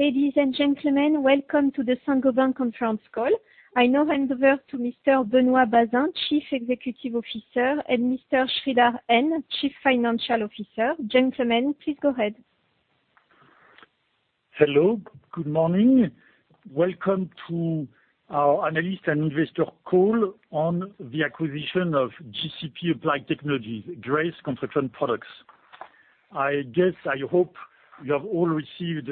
Ladies and gentlemen, welcome to the Saint-Gobain Conference Call. I now hand over to Mr. Benoit Bazin, Chief Executive Officer, and Mr. Sreedhar Natarajan, Chief Financial Officer. Gentlemen, please go ahead. Hello, good morning. Welcome to our analyst and investor call on the acquisition of GCP Applied Technologies, GRACE Construction Products. I guess, I hope you have all received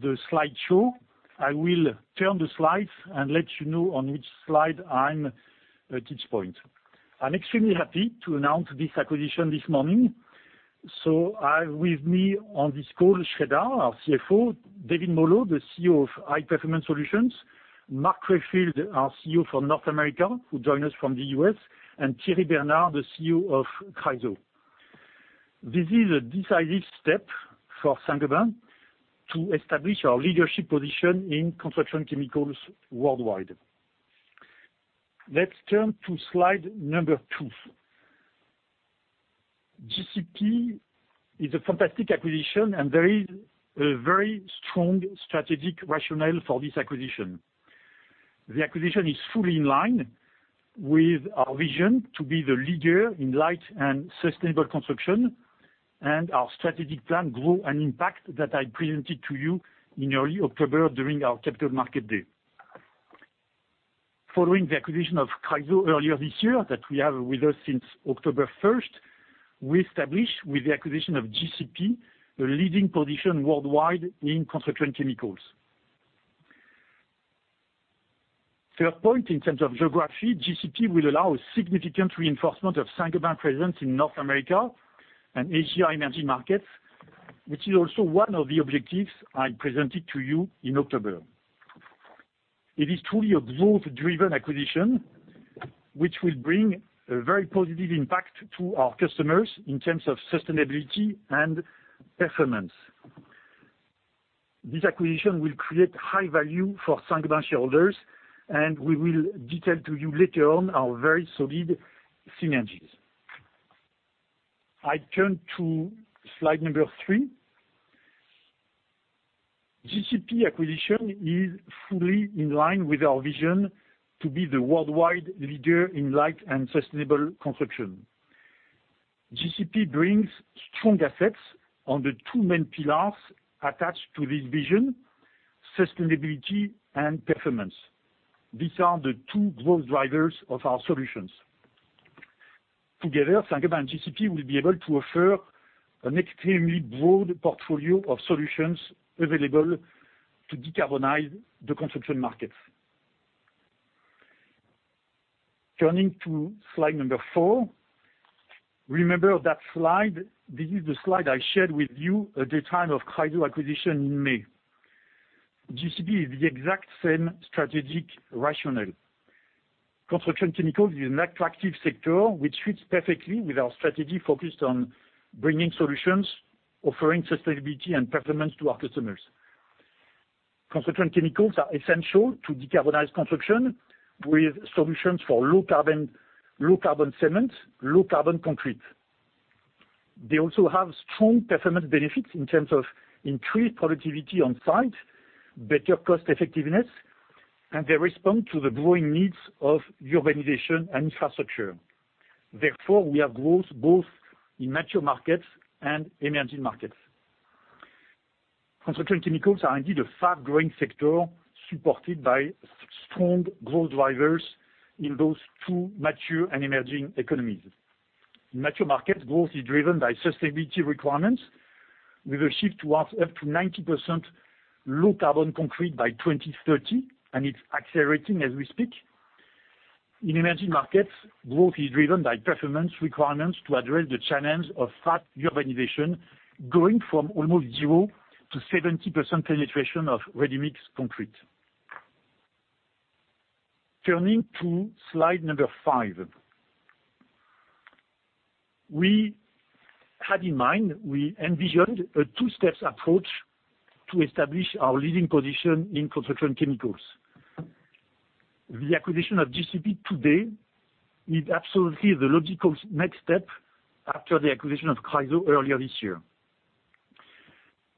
the slideshow. I will turn the slides and let you know on which slide I'm at each point. I'm extremely happy to announce this acquisition this morning. I have with me on this call, Sreedhar, our CFO, David Molho, the CEO of High Performance Solutions, Mark Rayfield, our CEO for North America, who joined us from the U.S., and Thierry Bernard, the CEO of Chryso. This is a decisive step for Saint-Gobain to establish our leadership position in construction chemicals worldwide. Let's turn to slide number two. GCP is a fantastic acquisition, and there is a very strong strategic rationale for this acquisition. The acquisition is fully in line with our vision to be the leader in light and sustainable construction and our strategic plan Grow and Impact that I presented to you in early October during our Capital Markets Day. Following the acquisition of Chryso earlier this year, that we have with us since October first, we established with the acquisition of GCP a leading position worldwide in construction chemicals. Third point, in terms of geography, GCP will allow a significant reinforcement of Saint-Gobain's presence in North America and Asia emerging markets, which is also one of the objectives I presented to you in October. It is truly a growth-driven acquisition, which will bring a very positive impact to our customers in terms of sustainability and performance. This acquisition will create high value for Saint-Gobain shareholders, and we will detail to you later on our very solid synergies. I turn to slide number three. GCP acquisition is fully in line with our vision to be the worldwide leader in light and sustainable construction. GCP brings strong assets on the two main pillars attached to this vision, sustainability and performance. These are the two growth drivers of our solutions. Together, Saint-Gobain and GCP will be able to offer an extremely broad portfolio of solutions available to decarbonize the construction markets. Turning to slide number four. Remember that slide, this is the slide I shared with you at the time of Chryso acquisition in May. GCP is the exact same strategic rationale. Construction chemicals is an attractive sector which fits perfectly with our strategy focused on bringing solutions, offering sustainability and performance to our customers. Construction chemicals are essential to decarbonize construction with solutions for low-carbon, low-carbon cement, low-carbon concrete. They also have strong performance benefits in terms of increased productivity on site, better cost effectiveness, and they respond to the growing needs of urbanization and infrastructure. Therefore, we have growth both in mature markets and emerging markets. Construction chemicals are indeed a fast-growing sector supported by strong growth drivers in those two mature and emerging economies. In mature markets, growth is driven by sustainability requirements with a shift towards up to 90% low carbon concrete by 2030, and it's accelerating as we speak. In emerging markets, growth is driven by performance requirements to address the challenge of fast urbanization, going from almost zero to 70% penetration of ready-mix concrete. Turning to slide 5. We had in mind, we envisioned a two-step approach to establish our leading position in construction chemicals. The acquisition of GCP today is absolutely the logical next step after the acquisition of Chryso earlier this year.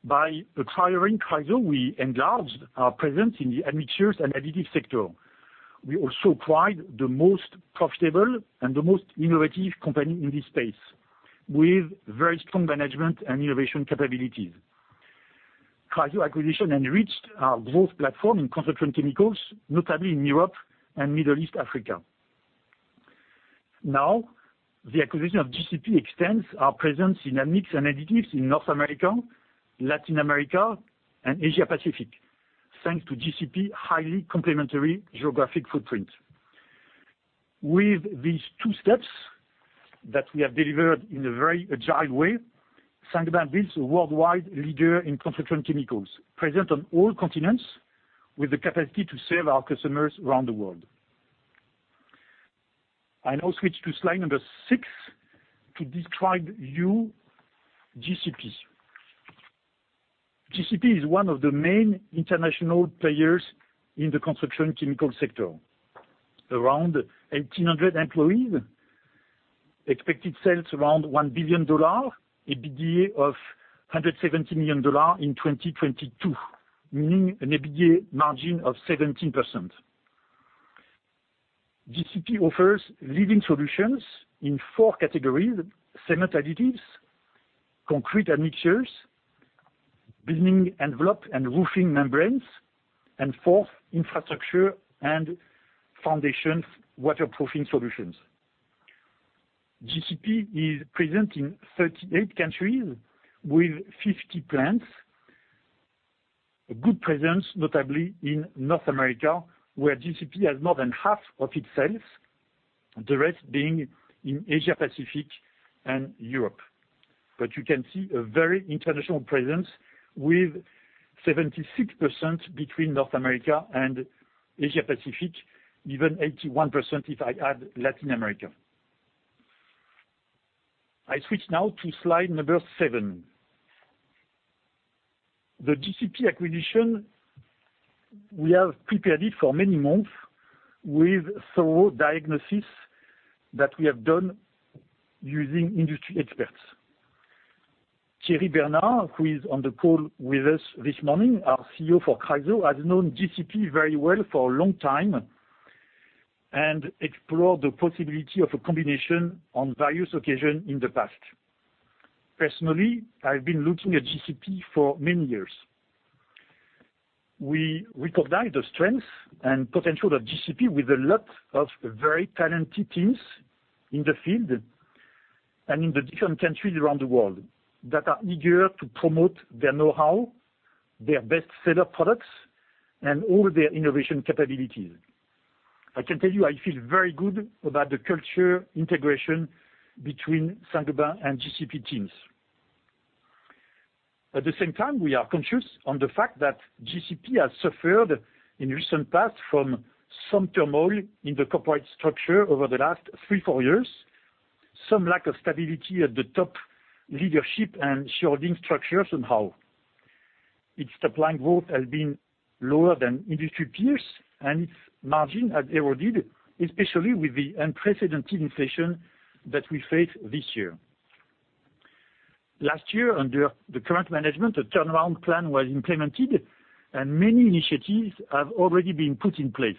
By acquiring Chryso, we enlarged our presence in the admixtures and additives sector. We also acquired the most profitable and the most innovative company in this space with very strong management and innovation capabilities. Chryso acquisition enriched our growth platform in construction chemicals, notably in Middle East Africa. Now, the acquisition of GCP extends our presence in admixtures and additives in North America, Latin America, and Asia Pacific, thanks to GCP highly complementary geographic footprint. With these two steps that we have delivered in a very agile way, Saint-Gobain builds a worldwide leader in construction chemicals, present on all continents with the capacity to serve our customers around the world. I now switch to slide number 6 to describe to you GCP. GCP is one of the main international players in the construction chemical sector. Around 1,800 employees. Expected sales around $1 billion, EBITDA of $170 million in 2022, meaning an EBITDA margin of 17%. GCP offers leading solutions in four categories: cement additives, concrete admixtures, building envelope and roofing membranes, and fourth, infrastructure and foundations waterproofing solutions. GCP is present in 38 countries with 50 plants. A good presence, notably in North America, where GCP has more than half of its sales, the rest being in Asia-Pacific and Europe. You can see a very international presence with 76% between North America and Asia-Pacific, even 81% if I add Latin America. I switch now to slide number 7. The GCP acquisition, we have prepared it for many months with thorough diagnosis that we have done using industry experts. Thierry Bernard, who is on the call with us this morning, our CEO for Chryso, has known GCP very well for a long time and explored the possibility of a combination on various occasions in the past. Personally, I've been looking at GCP for many years. We recognize the strength and potential of GCP with a lot of very talented teams in the field and in the different countries around the world that are eager to promote their know-how, their best seller products, and all their innovation capabilities. I can tell you, I feel very good about the culture integration between Saint-Gobain and GCP teams. At the same time, we are conscious of the fact that GCP has suffered in recent past from some turmoil in the corporate structure over the last three, four years, some lack of stability at the top leadership and shareholding structure somehow. Its top line growth has been lower than industry peers, and its margin has eroded, especially with the unprecedented inflation that we face this year. Last year, under the current management, a turnaround plan was implemented and many initiatives have already been put in place,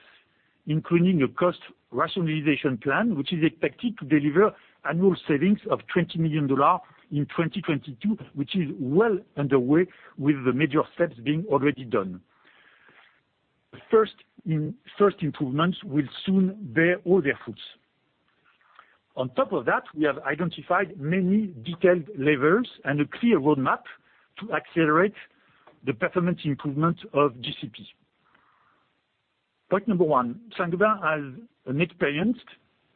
including a cost rationalization plan, which is expected to deliver annual savings of $20 million in 2022, which is well underway, with the major steps being already done. First improvements will soon bear all their fruits. On top of that, we have identified many detailed levers and a clear roadmap to accelerate the performance improvement of GCP. Point number one, Saint-Gobain has an experienced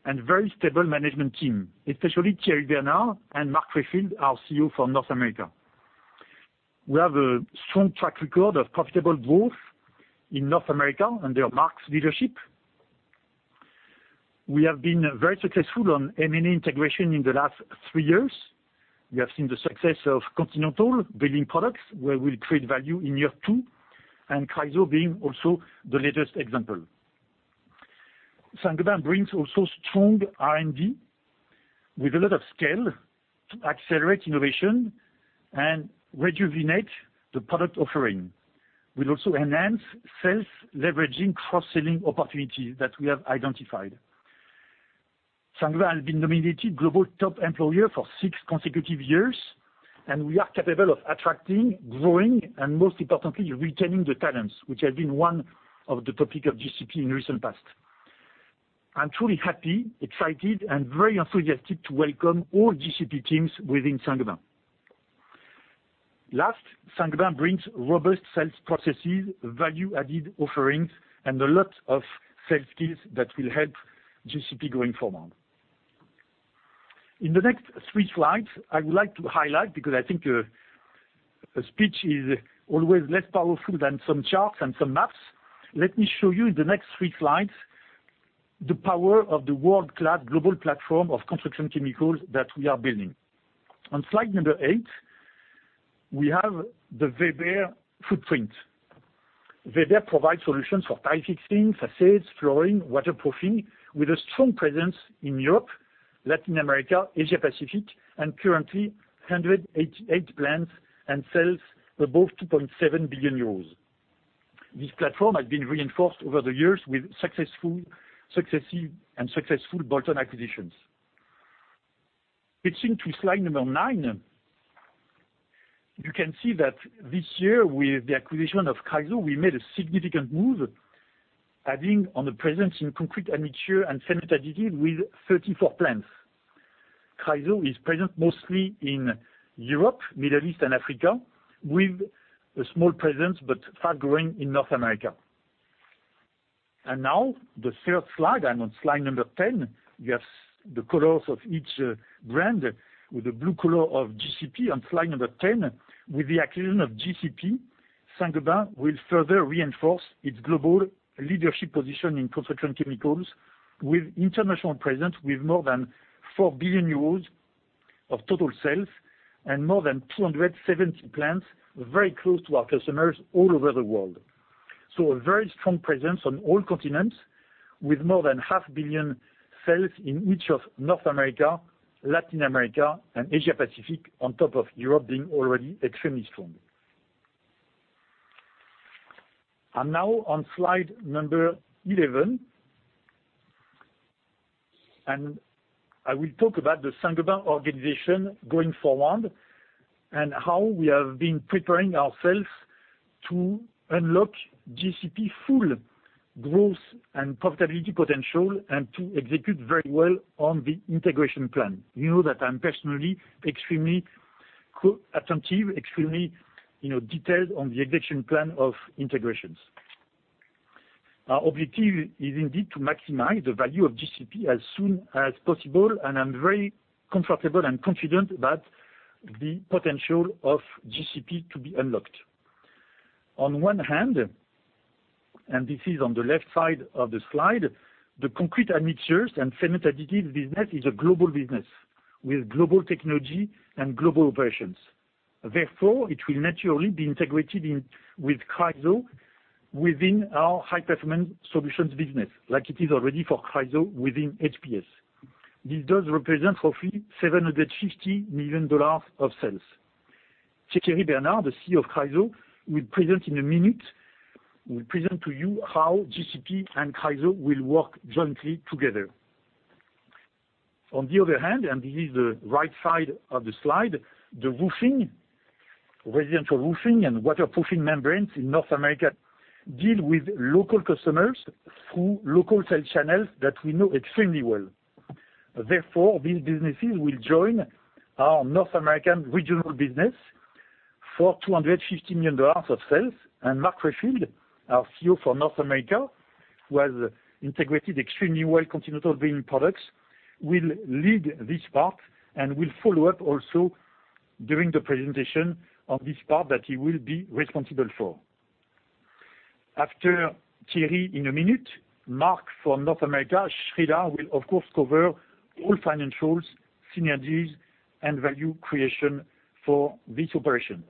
and very stable management team, especially Thierry Bernard and Mark Rayfield, our CEO for North America. We have a strong track record of profitable growth in North America under Mark's leadership. We have been very successful on M&A integration in the last three years. We have seen the success of Continental Building Products, where we'll create value in year two, and Chryso being also the latest example. Saint-Gobain brings also strong R&D with a lot of scale to accelerate innovation and rejuvenate the product offering. We'll also enhance sales leveraging cross-selling opportunities that we have identified. Saint-Gobain has been nominated Global Top Employer for six consecutive years, and we are capable of attracting, growing, and most importantly, retaining the talents, which has been one of the topic of GCP in recent past. I'm truly happy, excited, and very enthusiastic to welcome all GCP teams within Saint-Gobain. Last, Saint-Gobain brings robust sales processes, value added offerings, and a lot of sales skills that will help GCP going forward. In the next 3 slides, I would like to highlight, because I think a speech is always less powerful than some charts and some maps, let me show you in the next 3 slides the power of the world-class global platform of construction chemicals that we are building. On slide number 8, we have the Weber footprint. Weber provides solutions for tile fixing, facades, flooring, waterproofing with a strong presence in Europe, Latin America, Asia-Pacific, and currently 188 plants and sales above 2.7 billion euros. This platform has been reinforced over the years with successful successive bolt-on acquisitions. Switching to slide number 9, you can see that this year, with the acquisition of Chryso, we made a significant move, adding on the presence in concrete admixture and cement additive with 34 plants. Chryso is present mostly in Europe, Middle East and Africa, with a small presence, but fast-growing in North America. Now the third slide. I'm on slide number 10. We have the colors of each brand with the blue color of GCP on slide number 10. With the acquisition of GCP, Saint-Gobain will further reinforce its global leadership position in construction chemicals with international presence, with more than 4 billion euros of total sales and more than 270 plants very close to our customers all over the world. A very strong presence on all continents with more than half billion sales in each of North America, Latin America, and Asia Pacific, on top of Europe being already extremely strong. Now on slide number 11. I will talk about the Saint-Gobain organization going forward, and how we have been preparing ourselves to unlock GCP full growth and profitability potential and to execute very well on the integration plan. You know that I'm personally extremely attentive, extremely, you know, detailed on the execution plan of integrations. Our objective is indeed to maximize the value of GCP as soon as possible, and I'm very comfortable and confident about the potential of GCP to be unlocked. On one hand, and this is on the left side of the slide, the concrete admixtures and cement additives business is a global business with global technology and global operations. Therefore, it will naturally be integrated in with Chryso within our High Performance Solutions business, like it is already for Chryso within HPS. This does represent roughly $750 million of sales. Thierry Bernard, the CEO of Chryso, will present to you how GCP and Chryso will work jointly together. On the other hand, and this is the right side of the slide, the roofing, residential roofing, and waterproofing membranes in North America deal with local customers through local sales channels that we know extremely well. Therefore, these businesses will join our North American regional business for $250 million of sales. Mark Rayfield, our CEO for North America, who has integrated extremely well Continental Building Products, will lead this part and will follow up also during the presentation of this part that he will be responsible for. After Thierry in a minute, Mark for North America, Sreedhar will of course cover all financials, synergies, and value creation for this operation.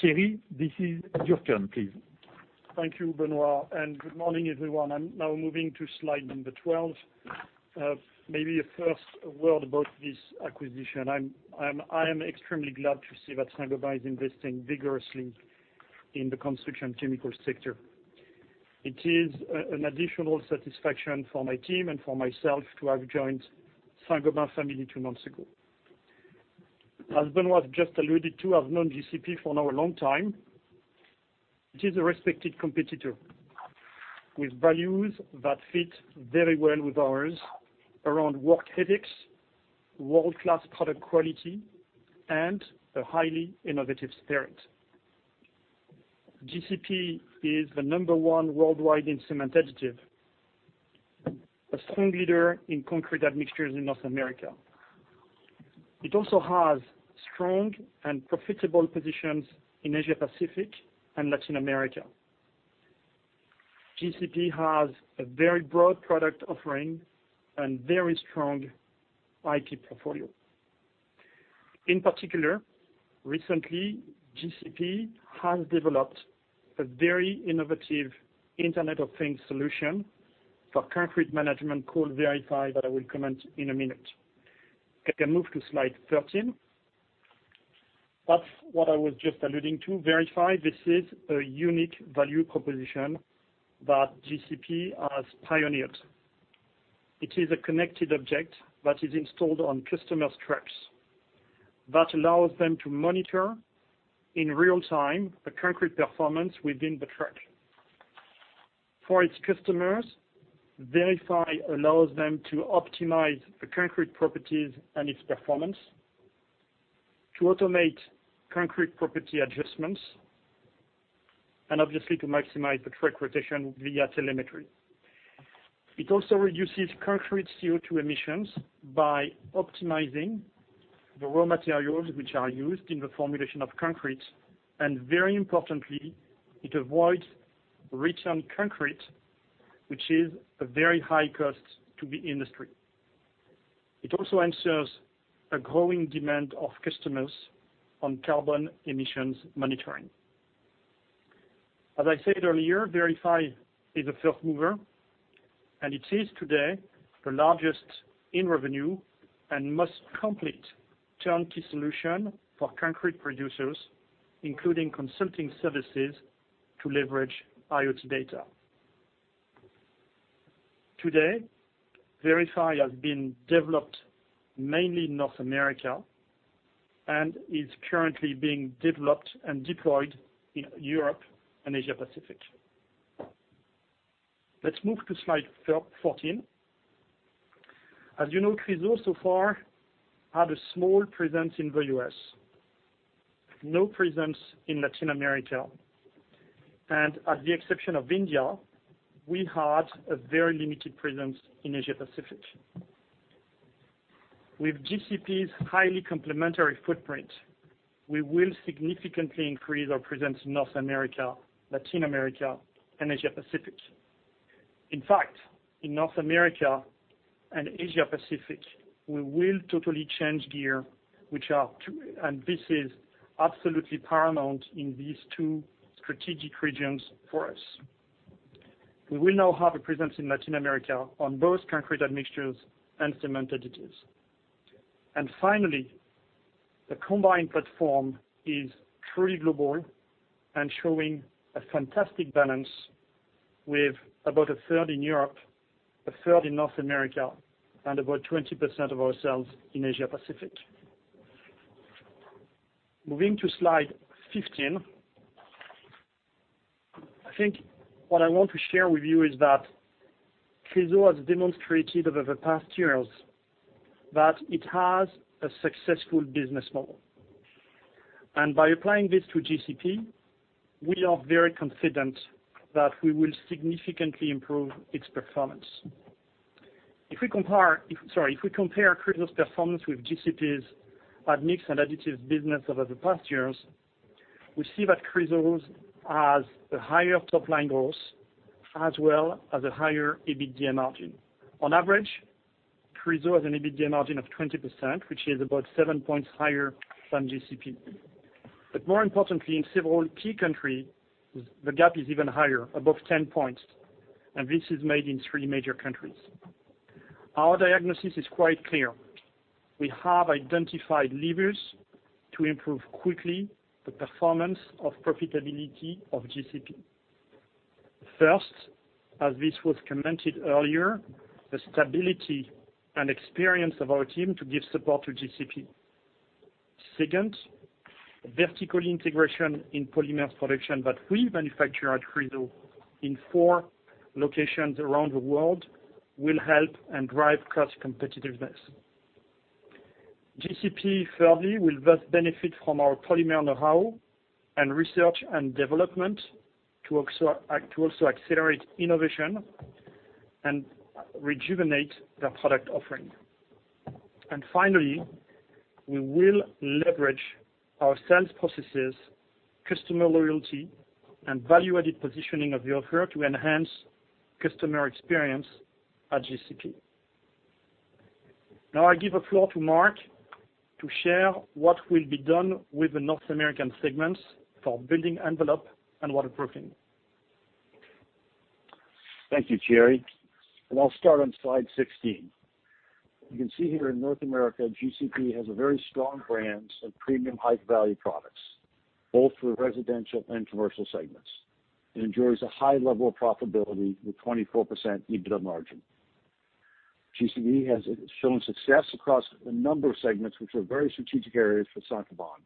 Thierry, this is your turn, please. Thank you, Benoit, and good morning, everyone. I'm now moving to slide number 12. Maybe a first word about this acquisition. I am extremely glad to see that Saint-Gobain is investing vigorously in the construction chemical sector. It is an additional satisfaction for my team and for myself to have joined Saint-Gobain family two months ago. As Benoit just alluded to, I've known GCP for a long time. It is a respected competitor with values that fit very well with ours around work ethics, world-class product quality, and a highly innovative spirit. GCP is the number one worldwide in cement additive, a strong leader in concrete admixtures in North America. It also has strong and profitable positions in Asia Pacific and Latin America. GCP has a very broad product offering and very strong IP portfolio. In particular, recently, GCP has developed a very innovative Internet of Things solution for concrete management called VERIFI that I will comment in a minute. I can move to slide 13. That's what I was just alluding to. VERIFI, this is a unique value proposition that GCP has pioneered. It is a connected object that is installed on customers' trucks that allows them to monitor in real-time the concrete performance within the truck. For its customers, VERIFI allows them to optimize the concrete properties and its performance, to automate concrete property adjustments, and obviously to maximize the truck rotation via telemetry. It also reduces concrete CO2 emissions by optimizing the raw materials which are used in the formulation of concrete, and very importantly, it avoids return concrete, which is a very high cost to the industry. It also answers a growing demand of customers on carbon emissions monitoring. As I said earlier, VERIFI is a first mover, and it is today the largest in revenue and most complete turnkey solution for concrete producers, including consulting services to leverage IoT data. Today, VERIFI has been developed mainly in North America and is currently being developed and deployed in Europe and Asia Pacific. Let's move to slide 14. As you know, Chryso so far had a small presence in the U.S., no presence in Latin America, and at the exception of India, we had a very limited presence in Asia Pacific. With GCP's highly complementary footprint, we will significantly increase our presence in North America, Latin America, and Asia Pacific. In fact, in North America and Asia Pacific, we will totally change gear, which are two and this is absolutely paramount in these two strategic regions for us. We will now have a presence in Latin America on both concrete admixtures and cement additives. Finally, the combined platform is truly global and showing a fantastic balance with about 1/3 in Europe, 1/3 in North America, and about 20% of our sales in Asia Pacific. Moving to slide 15. I think what I want to share with you is that Chryso has demonstrated over the past years that it has a successful business model. By applying this to GCP, we are very confident that we will significantly improve its performance. If we compare Chryso's performance with GCP's admix and additives business over the past years, we see that Chryso has a higher top-line growth as well as a higher EBITDA margin. On average, Chryso has an EBITDA margin of 20%, which is about seven points higher than GCP. More importantly, in several key countries, the gap is even higher, above 10 points, and this is mainly in 3 major countries. Our diagnosis is quite clear. We have identified levers to improve quickly the performance and profitability of GCP. First, as this was commented earlier, the stability and experience of our team to give support to GCP. Second, vertical integration in polymers production that we manufacture at Chryso in 4 locations around the world will help and drive cost competitiveness. GCP, thirdly, will thus benefit from our polymer know-how and research and development to also accelerate innovation and rejuvenate their product offering. Finally, we will leverage our sales processes, customer loyalty, and value-added positioning of the offer to enhance customer experience at GCP. Now I give the floor to Mark to share what will be done with the North American segments for building envelope and waterproofing. Thank you, Thierry. I'll start on slide 16. You can see here in North America, GCP has a very strong brands of premium high-value products, both for residential and commercial segments. It enjoys a high level of profitability with 24% EBITDA margin. GCP has shown success across a number of segments which are very strategic areas for Saint-Gobain,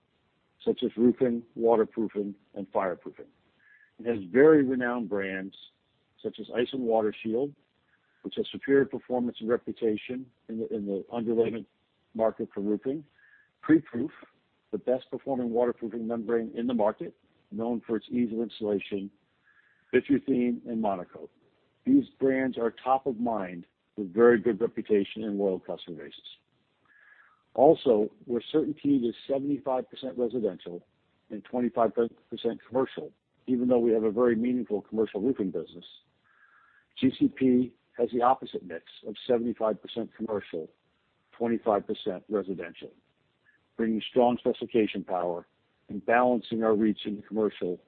such as roofing, waterproofing, and fireproofing. It has very renowned brands such as ICE & WATER SHIELD, which has superior performance and reputation in the underlayment market for roofing. PREPRUFE, the best performing waterproofing membrane in the market, known for its ease of installation, BITUTHENE, and MONOKOTE. These brands are top of mind with very good reputation and loyal customer bases. Also, where CertainTeed is 75% residential and 25% commercial, even though we have a very meaningful commercial roofing business, GCP has the opposite mix of 75% commercial, 25% residential, bringing strong specification power and balancing our reach in commercial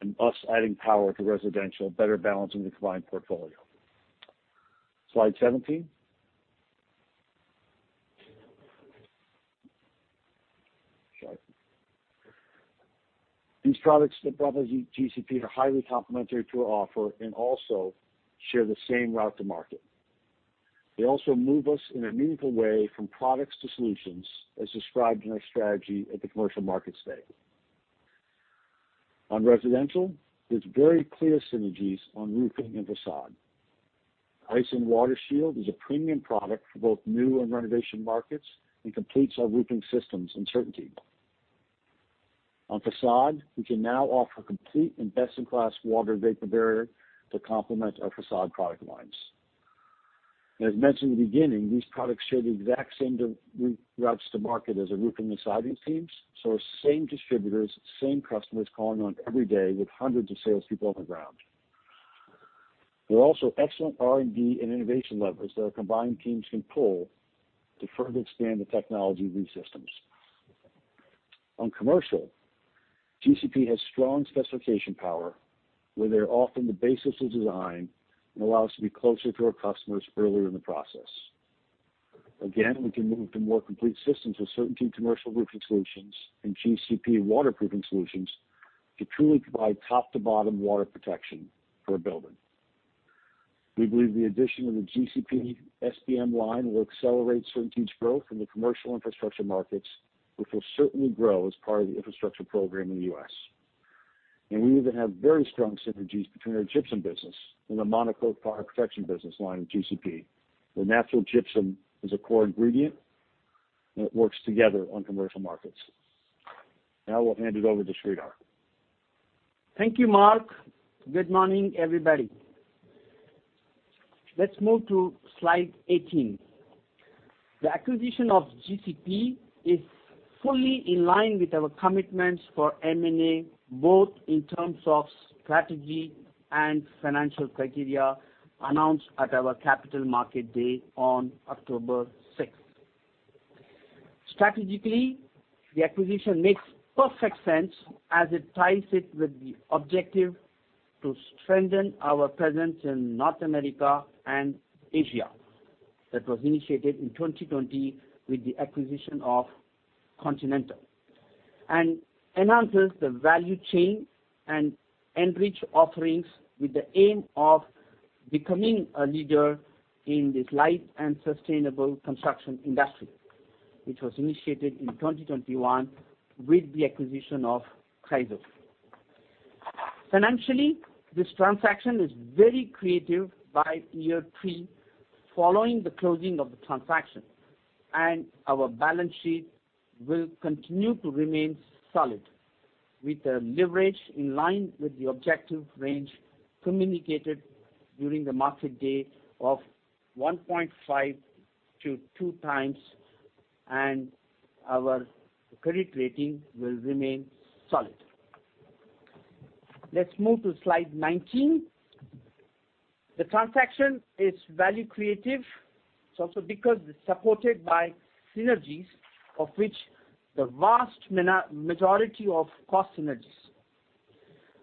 and us adding power to residential, better balancing the combined portfolio. Slide 17. Sorry. These products that brought us GCP are highly complementary to our offer and also share the same route to market. They also move us in a meaningful way from products to solutions, as described in our strategy at the commercial market stage. On residential, there's very clear synergies on roofing and facade. ICE & WATER SHIELD is a premium product for both new and renovation markets and completes our roofing systems in CertainTeed. On facade, we can now offer complete and best-in-class water vapor barrier to complement our facade product lines. As mentioned in the beginning, these products share the exact same routes to market as our roofing and siding teams. Same distributors, same customers calling on every day with hundreds of salespeople on the ground. There are also excellent R&D and innovation levers that our combined teams can pull to further expand the technology of these systems. On commercial, GCP has strong specification power, where they're often the basis of design and allow us to be closer to our customers earlier in the process. Again, we can move to more complete systems with CertainTeed commercial roofing solutions and GCP waterproofing solutions to truly provide top-to-bottom water protection for a building. We believe the addition of the GCP's SBM line will accelerate CertainTeed's growth in the commercial infrastructure markets, which will certainly grow as part of the infrastructure program in the U.S. We even have very strong synergies between our gypsum business and the MONOKOTE fire protection business line of GCP, where natural gypsum is a core ingredient, and it works together on commercial markets. Now I'll hand it over to Sreedhar. Thank you, Mark. Good morning, everybody. Let's move to slide 18. The acquisition of GCP is fully in line with our commitments for M&A, both in terms of strategy and financial criteria announced at our Capital Market Day on October 6. Strategically, the acquisition makes perfect sense as it ties in with the objective to strengthen our presence in North America and Asia. That was initiated in 2020 with the acquisition of Continental, enhances the value chain and enriches offerings with the aim of becoming a leader in this light and sustainable construction industry, which was initiated in 2021 with the acquisition of Chryso. Financially, this transaction is very accretive by year 3 following the closing of the transaction, and our balance sheet will continue to remain solid with the leverage in line with the objective range communicated during the market day of 1.5x-2x, and our credit rating will remain solid. Let's move to slide 19. The transaction is value creative. It's also because it's supported by synergies, of which the vast majority of cost synergies.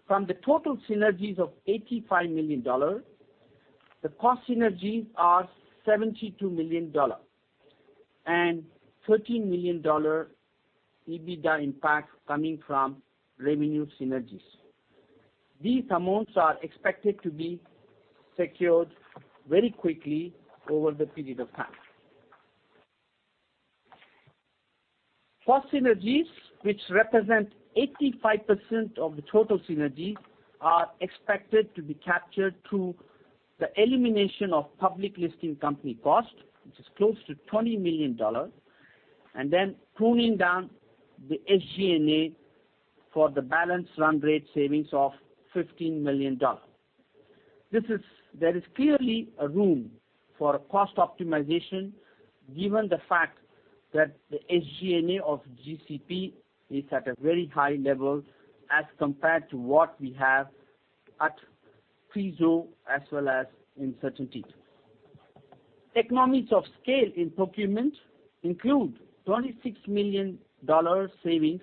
From the total synergies of $85 million, the cost synergies are $72 million and $13 million EBITDA impact coming from revenue synergies. These amounts are expected to be secured very quickly over the period of time. Cost synergies, which represent 85% of the total synergies, are expected to be captured through the elimination of public listing company cost, which is close to $20 million, and then pruning down the SG&A for the balance run rate savings of $15 million. There is clearly a room for cost optimization given the fact that the SG&A of GCP is at a very high level as compared to what we have at Chryso as well as in CertainTeed. Economies of scale in procurement include $26 million savings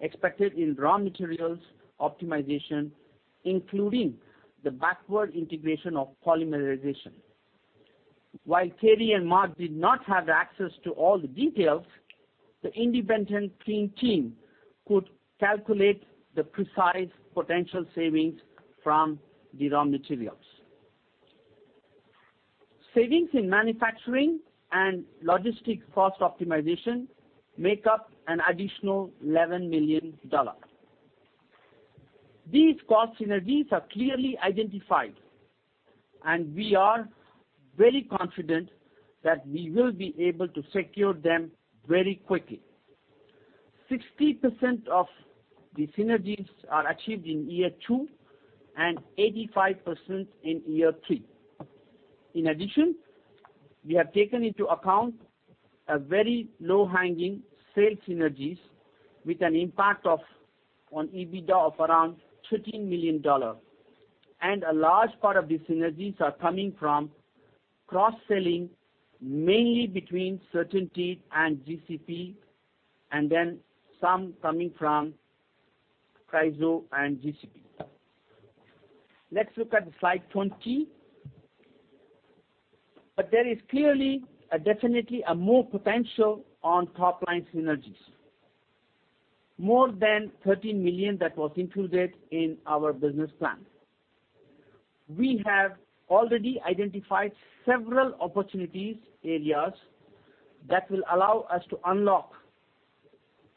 expected in raw materials optimization, including the backward integration of polymerization. While Thierry and Mark did not have access to all the details, the independent team could calculate the precise potential savings from the raw materials. Savings in manufacturing and logistic cost optimization make up an additional $11 million. These cost synergies are clearly identified, and we are very confident that we will be able to secure them very quickly. 60% of the synergies are achieved in year 2 and 85% in year 3. In addition, we have taken into account a very low-hanging sales synergies with an impact on EBITDA of around $13 million. A large part of the synergies are coming from cross-selling mainly between CertainTeed and GCP, and then some coming from Chryso and GCP. Let's look at slide 20. There is clearly definitely more potential on top-line synergies, more than 13 million that was included in our business plan. We have already identified several opportunities areas that will allow us to unlock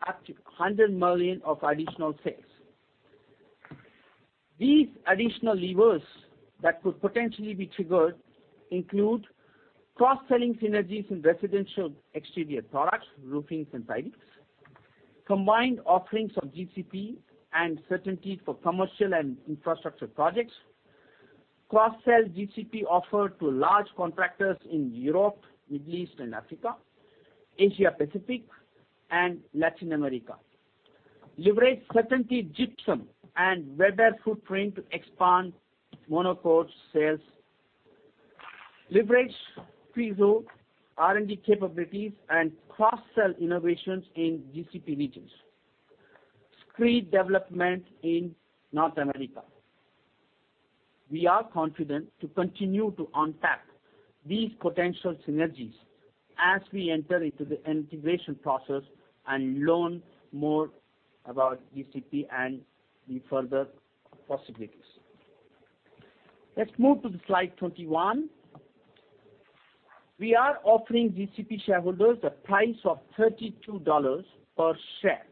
up to 100 million of additional sales. These additional levers that could potentially be triggered include cross-selling synergies in residential exterior products, roofings and sidings, combined offerings of GCP and CertainTeed for commercial and infrastructure projects, cross-sell GCP offer to large contractors in Europe, Middle East and Africa, Asia Pacific and Latin America. Leverage CertainTeed Gypsum and Weber footprint to expand MONOKOTE sales. Leverage Chryso R&D capabilities and cross-sell innovations in GCP regions. Screed development in North America. We are confident to continue to unpack these potential synergies as we enter into the integration process and learn more about GCP and the further possibilities. Let's move to the slide 21. We are offering GCP shareholders a price of $32 per share,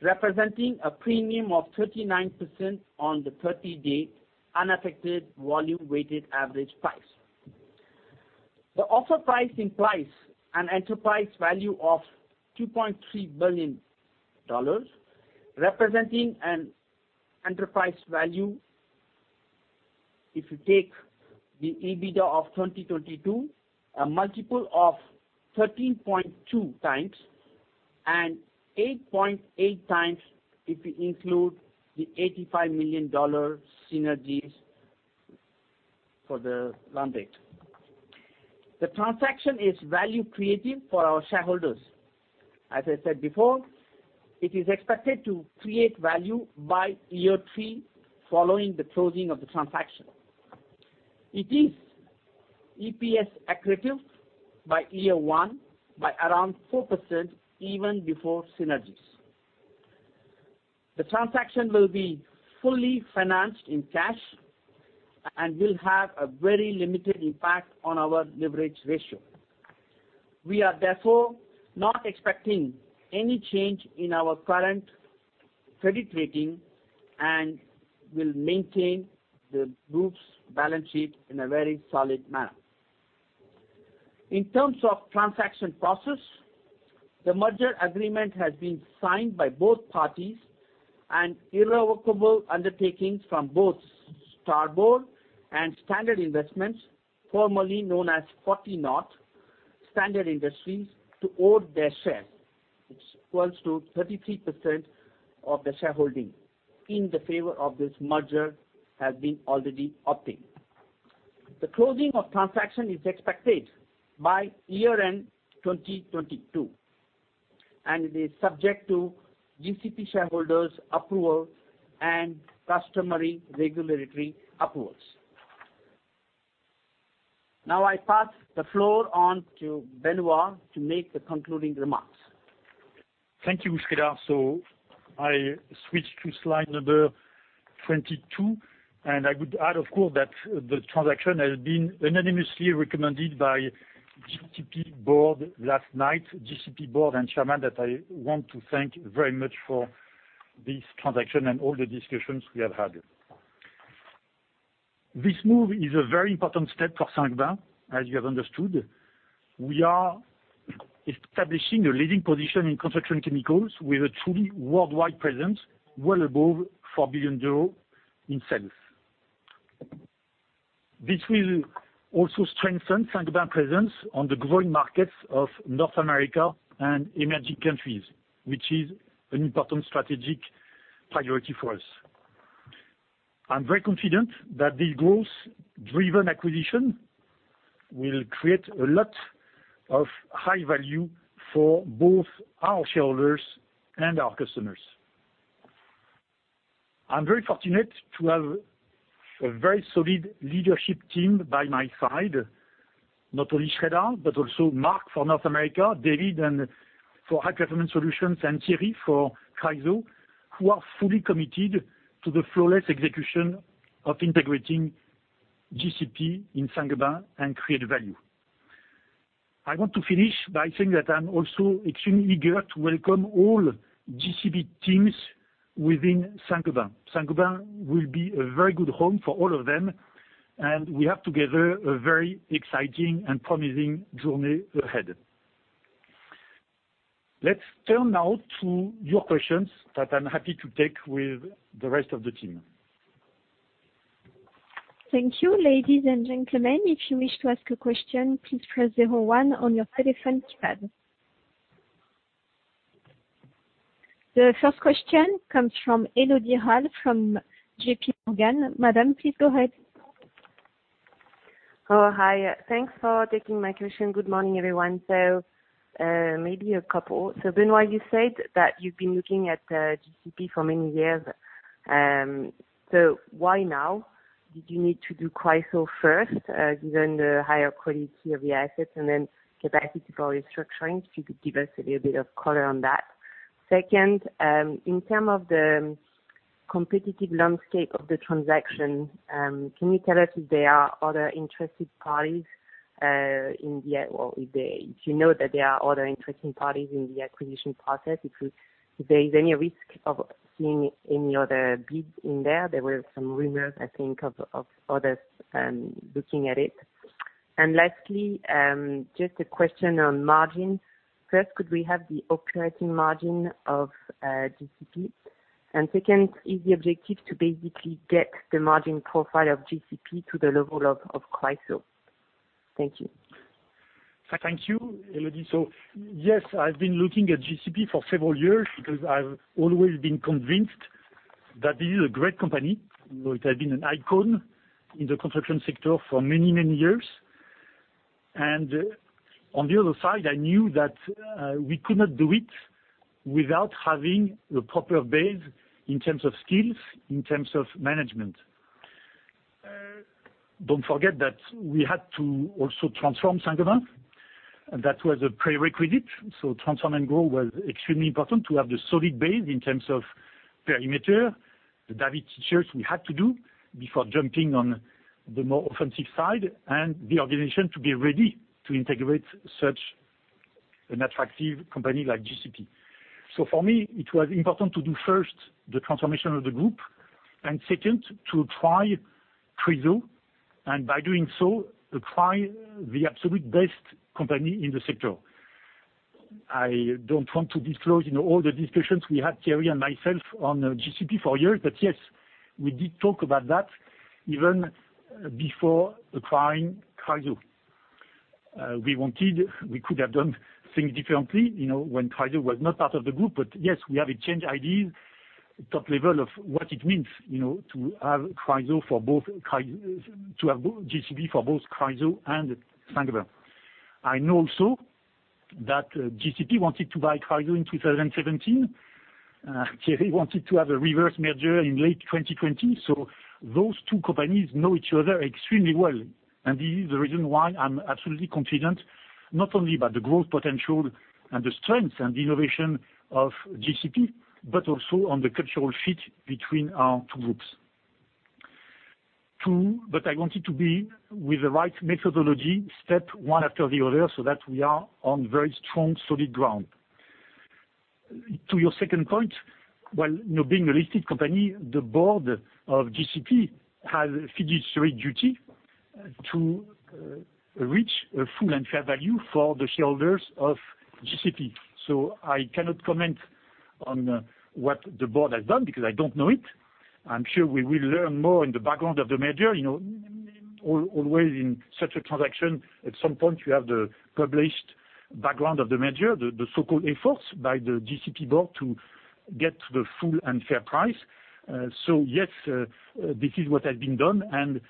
representing a premium of 39% on the 30-day unaffected volume weighted average price. The offer price implies an enterprise value of $2.3 billion. If you take the EBITDA of 2022, a multiple of 13.2x and 8.8x if you include the $85 million synergies for the acquisition. The transaction is value creative for our shareholders. As I said before, it is expected to create value by year three following the closing of the transaction. It is EPS accretive by year one by around 4% even before synergies. The transaction will be fully financed in cash and will have a very limited impact on our leverage ratio. We are therefore not expecting any change in our current credit rating and will maintain the group's balance sheet in a very solid manner. In terms of transaction process, the merger agreement has been signed by both parties and irrevocable undertakings from both Starboard and Standard Investments, formerly known as 40 North, to own their shares. It equals 33% of the shareholding in favor of this merger has already been obtained. The closing of the transaction is expected by year-end 2022, and it is subject to GCP shareholders approval and customary regulatory approvals. Now I pass the floor on to Benoit to make the concluding remarks. Thank you, Sreedhar. I switch to slide number 22, and I would add, of course, that the transaction has been unanimously recommended by GCP Board last night. GCP Board and Chairman that I want to thank very much for this transaction and all the discussions we have had. This move is a very important step for Saint-Gobain, as you have understood. We are establishing a leading position in construction chemicals with a truly worldwide presence, well above 4 billion euros in sales. This will also strengthen Saint-Gobain presence on the growing markets of North America and emerging countries, which is an important strategic priority for us. I'm very confident that this growth-driven acquisition will create a lot of high value for both our shareholders and our customers. I'm very fortunate to have a very solid leadership team by my side, not only Sreedhar, but also Mark for North America, David for High Performance Solutions and Thierry for Chryso, who are fully committed to the flawless execution of integrating GCP in Saint-Gobain and create value. I want to finish by saying that I'm also extremely eager to welcome all GCP teams within Saint-Gobain. Saint-Gobain will be a very good home for all of them, and we have together a very exciting and promising journey ahead. Let's turn now to your questions that I'm happy to take with the rest of the team. Thank you, ladies and gentlemen. If you wish to ask a question, please press zero one on your telephone keypad. The first question comes from Elodie Rall from JPMorgan. Madam, please go ahead. Oh, hi. Thanks for taking my question. Good morning, everyone. Maybe a couple. Benoit, you said that you've been looking at GCP for many years. Why now? Did you need to do Chryso first, given the higher quality of the assets and then capacity for restructuring? If you could give us a little bit of color on that. Second, in terms of the competitive landscape of the transaction, can you tell us if there are other interested parties. Do you know that there are other interested parties in the acquisition process? If there is any risk of seeing any other bids in there? There were some rumors of others looking at it. Lastly, just a question on margin. First, could we have the operating margin of GCP? Second, is the objective to basically get the margin profile of GCP to the level of Chryso? Thank you. Thank you, Elodie. Yes, I've been looking at GCP for several years because I've always been convinced that this is a great company. You know, it has been an icon in the construction sector for many, many years. On the other side, I knew that we could not do it without having the proper base in terms of skills, in terms of management. Don't forget that we had to also transform Saint-Gobain, and that was a prerequisite. Transform and grow was extremely important to have the solid base in terms of perimeter. The dirty work we had to do before jumping on the more offensive side and the organization to be ready to integrate such an attractive company like GCP. For me, it was important to do first the transformation of the group and second, to try Chryso, and by doing so, acquire the absolute best company in the sector. I don't want to disclose, you know, all the discussions we had, Thierry and myself, on GCP for years. Yes, we did talk about that even before acquiring Chryso. We could have done things differently, you know, when Chryso was not part of the group. Yes, we have exchanged ideas, top level of what it means, you know, to have Chryso for both Chryso and Saint-Gobain. I know also that GCP wanted to buy Chryso in 2017. Thierry wanted to have a reverse merger in late 2020. Those two companies know each other extremely well, and this is the reason why I'm absolutely confident not only about the growth potential and the strength and the innovation of GCP, but also on the cultural fit between our two groups. Too, but I wanted to be with the right methodology, step one after the other, so that we are on very strong, solid ground. To your second point, well, you know, being a listed company, the Board of GCP has fiduciary duty to reach a full and fair value for the shareholders of GCP. So I cannot comment on what the Board has done because I don't know it. I'm sure we will learn more in the background of the merger. You know, always in such a transaction, at some point you have the published background of the merger, the so-called efforts by the GCP Board to get the full and fair price. So yes, this is what has been done, and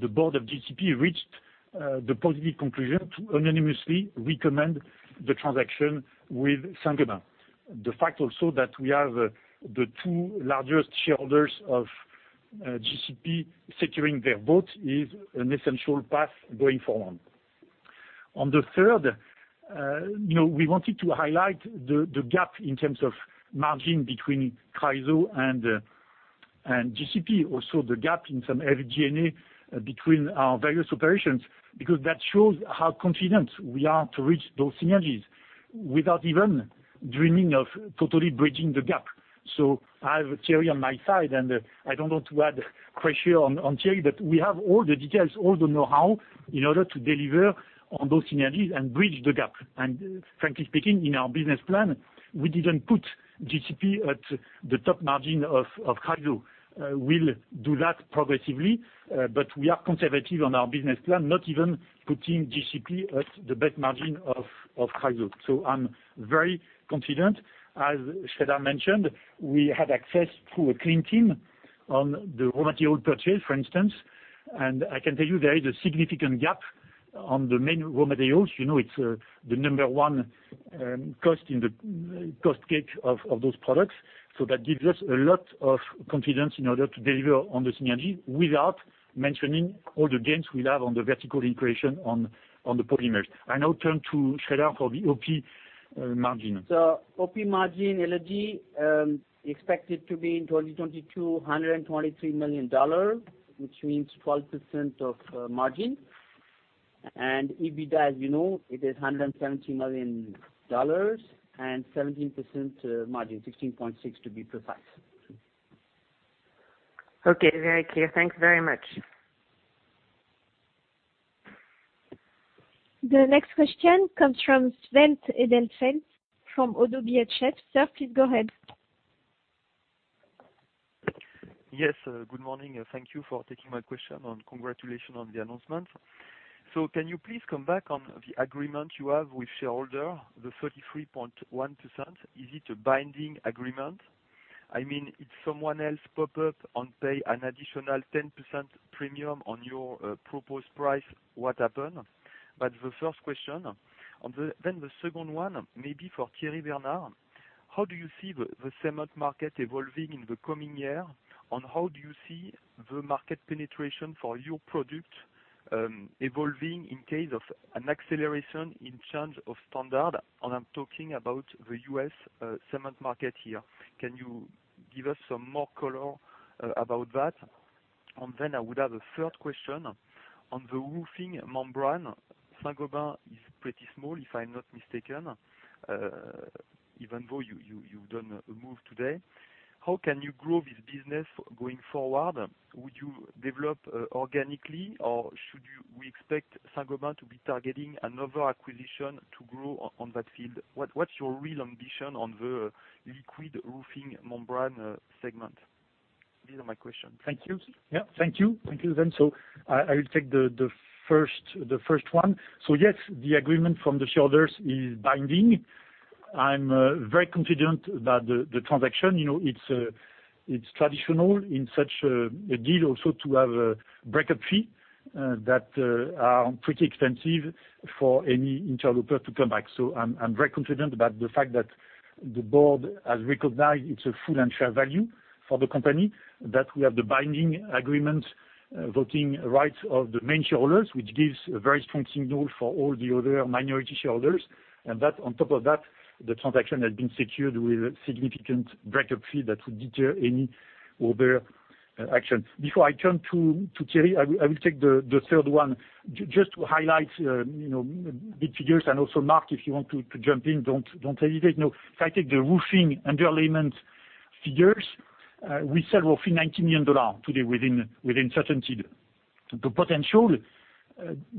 the Board of GCP reached the positive conclusion to unanimously recommend the transaction with Saint-Gobain. The fact also that we have the two largest shareholders of GCP securing their votes is an essential path going forward. On the third, you know, we wanted to highlight the gap in terms of margin between Chryso and GCP. Also, the gap in some SG&A between our various operations, because that shows how confident we are to reach those synergies without even dreaming of totally bridging the gap. I have Thierry on my side, and I don't want to add pressure on Thierry, but we have all the details, all the know-how in order to deliver on those synergies and bridge the gap. Frankly speaking, in our business plan, we didn't put GCP at the top margin of Chryso. We'll do that progressively, but we are conservative on our business plan, not even putting GCP at the best margin of Chryso. I'm very confident. As Sreedhar mentioned, we have access to a clean team on the raw material purchase, for instance, and I can tell you there is a significant gap on the main raw materials. You know, it's the number one cost in the cost base of those products. That gives us a lot of confidence in order to deliver on the synergy without mentioning all the gains we'll have on the vertical integration on the polymers. I now turn to Sreedhar for the OP margin. The OP margin, L&G, expected to be in 2022, $123 million, which means 12% margin. EBITDA, as you know, it is $170 million and 17% margin, 16.6 to be precise. Okay, very clear. Thanks very much. The next question comes from Sven Edelfelt from ODDO BHF. Sir, please go ahead. Yes, good morning, and thank you for taking my question, and congratulations on the announcement. Can you please come back on the agreement you have with shareholder, the 33.1%? Is it a binding agreement? I mean, if someone else pop up and pay an additional 10% premium on your proposed price, what happen? That's the first question. The second one, maybe for Thierry Bernard, how do you see the cement market evolving in the coming year? And how do you see the market penetration for your product evolving in case of an acceleration in terms of standard? And I'm talking about the U.S. cement market here. Can you give us some more color about that? And then I would have a third question on the roofing membrane. Saint-Gobain is pretty small, if I'm not mistaken, even though you've done a move today. How can you grow this business going forward? Would you develop organically, or should you—we expect Saint-Gobain to be targeting another acquisition to grow on that field? What's your real ambition on the liquid roofing membrane segment? These are my questions. Thank you. Thank you. Thank you, then. I will take the first one. Yes, the agreement from the shareholders is binding. I'm very confident about the transaction. You know, it's traditional in such a deal also to have a breakup fee that are pretty expensive for any interloper to come back. I'm very confident about the fact that the Board has recognized it's a full and fair value for the company, that we have the binding agreement, voting rights of the main shareholders, which gives a very strong signal for all the other minority shareholders. That, on top of that, the transaction has been secured with a significant breakup fee that would deter any other action. Before I turn to Thierry, I will take the third one. Just to highlight, you know, the figures, and also Mark, if you want to jump in, don't hesitate. You know, if I take the roofing underlayment figures, we sell roughly $90 million today within Saint-Gobain. The potential,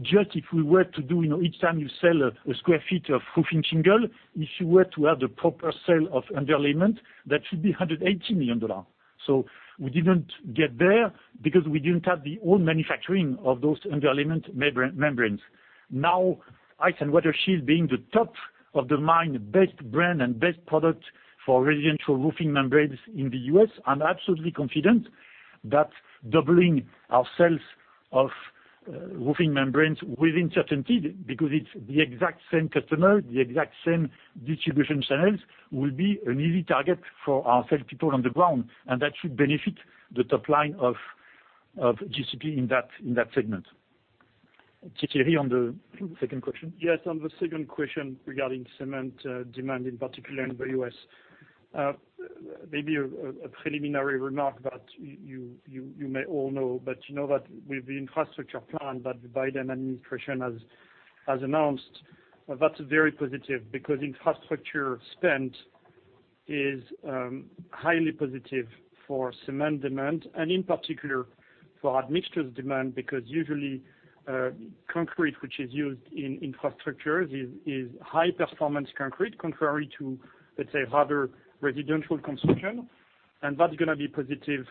just if we were to do, you know, each time you sell a square feet of roofing shingle, if you were to have the proper sale of underlayment, that should be $180 million. So we didn't get there because we didn't have the whole manufacturing of those underlayment membranes. Now, ICE & WATER SHIELD being top of mind, best brand and best product for residential roofing membranes in the U.S., I'm absolutely confident that doubling our sales of roofing membranes within CertainTeed, because it's the exact same customer, the exact same distribution channels, will be an easy target for our salespeople on the ground, and that should benefit the top line of GCP in that segment. Thierry, on the second question. Yes, on the second question regarding cement demand, in particular in the U.S. Maybe a preliminary remark that you may all know, but you know that with the infrastructure plan that the Biden administration has announced, that's very positive because infrastructure spend is highly positive for cement demand and in particular for admixtures demand because usually concrete which is used in infrastructures is high performance concrete contrary to, let's say, rather residential construction, and that's gonna be positive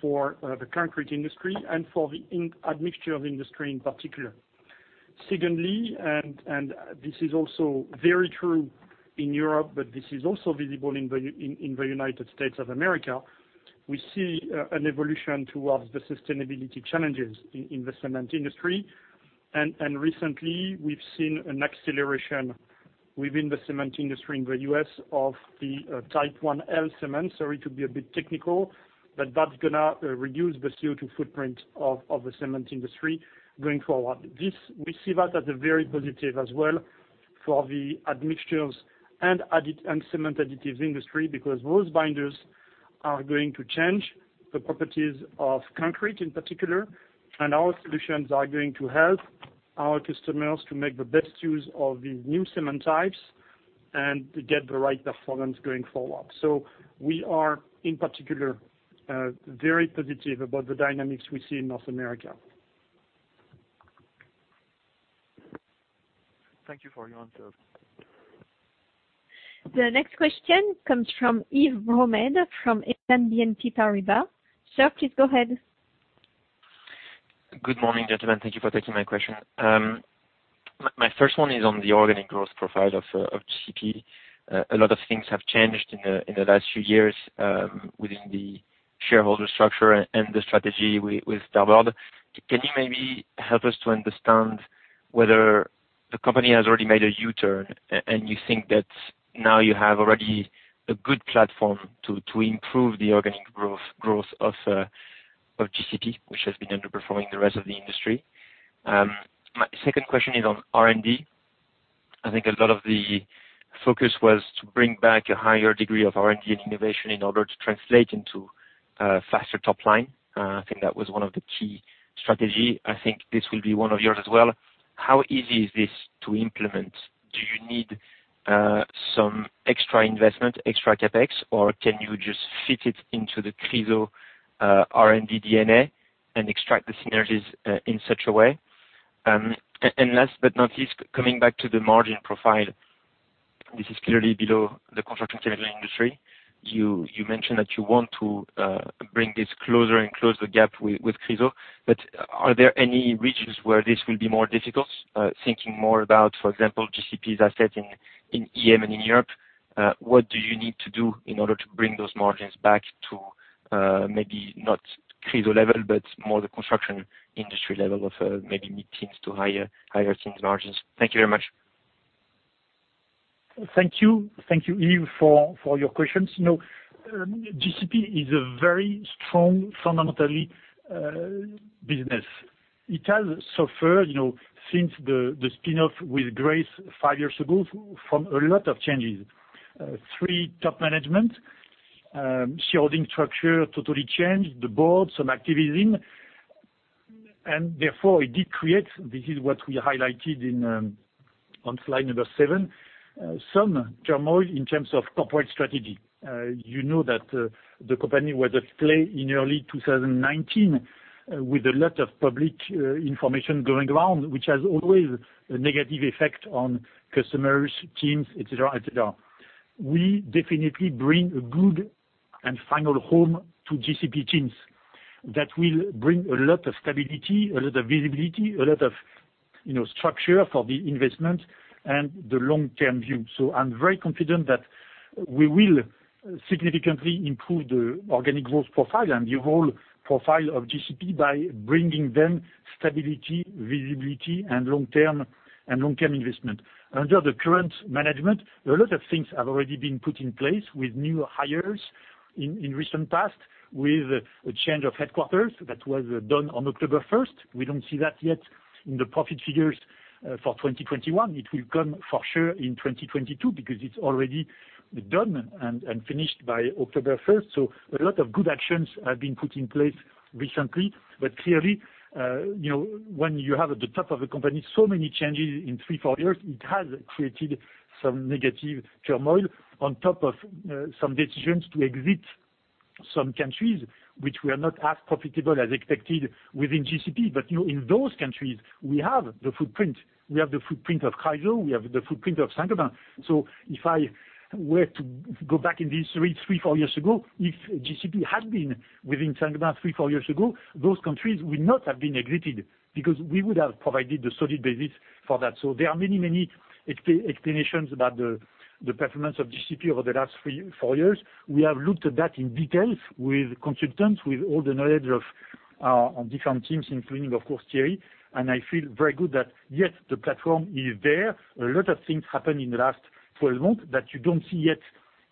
for the concrete industry and for the admixture industry in particular. Secondly, this is also very true in Europe, but this is also visible in the United States of America, we see an evolution towards the sustainability challenges in the cement industry. Recently we've seen an acceleration within the cement industry in the U.S. of the Type IL cement. Sorry to be a bit technical, but that's gonna reduce the CO2 footprint of the cement industry going forward. We see that as a very positive as well for the admixtures and cement additives industry because those binders are going to change the properties of concrete in particular, and our solutions are going to help our customers to make the best use of the new cement types and to get the right performance going forward. We are in particular very positive about the dynamics we see in North America. Thank you for your answers. The next question comes from Yves Bromehead from BNP Paribas. Sir, please go ahead. Good morning, gentlemen. Thank you for taking my question. My first one is on the organic growth profile of GCP. A lot of things have changed in the last few years within the shareholder structure and the strategy with the above. Can you maybe help us to understand whether the company has already made a U-turn and you think that now you have already a good platform to improve the organic growth of GCP, which has been underperforming the rest of the industry? My second question is on R&D. I think a lot of the focus was to bring back a higher degree of R&D and innovation in order to translate into faster top line. I think that was one of the key strategy. I think this will be one of yours as well. How easy is this to implement? Do you need some extra investment, extra CapEx, or can you just fit it into the Chryso R&D DNA and extract the synergies in such a way? Last but not least, coming back to the margin profile, this is clearly below the construction chemicals industry. You mentioned that you want to bring this closer and close the gap with Chryso, but are there any regions where this will be more difficult? Thinking more about, for example, GCP's asset in EM and in Europe, what do you need to do in order to bring those margins back to maybe not Chryso level, but more the construction chemicals industry level of maybe mid-teens to higher teens margins? Thank you very much. Thank you. Thank you, Yves, for your questions. You know, GCP is a very strong fundamentally business. It has suffered, you know, since the spin-off with GRACE five years ago from a lot of changes. Three top Management Shareholder structure totally changed, the Board, some activism, and therefore it did create. This is what we highlighted on slide number seven, some turmoil in terms of corporate strategy. You know that, the company was at play in early 2019, with a lot of public information going around, which has always a negative effect on customers, teams, et cetera, et cetera. We definitely bring a good and final home to GCP teams that will bring a lot of stability, a lot of visibility, a lot of, structure for the investment and the long-term view. I'm very confident that we will significantly improve the organic growth profile and the overall profile of GCP by bringing them stability, visibility, and long-term investment. Under the current management, a lot of things have already been put in place with new hires in recent past, with a change of headquarters that was done on October 1. We don't see that yet in the profit figures for 2021. It will come for sure in 2022 because it's already done and finished by October 1. A lot of good actions have been put in place recently. Clearly, you know, when you have at the top of a company, so many changes in 3-4 years, it has created some negative turmoil on top of some decisions to exit some countries which were not as profitable as expected within GCP. You know, in those countries, we have the footprint. We have the footprint of Chryso. We have the footprint of Saint-Gobain. If I were to go back in these 3-4 years ago, if GCP had been within Saint-Gobain 3-4 years ago, those countries would not have been exited because we would have provided the solid basis for that. There are many explanations about the performance of GCP over the last 3-4 years. We have looked at that in detail with consultants, with all the knowledge of our different teams, including, of course, Thierry. I feel very good that, yes, the platform is there. A lot of things happened in the last 12 months that you don't see yet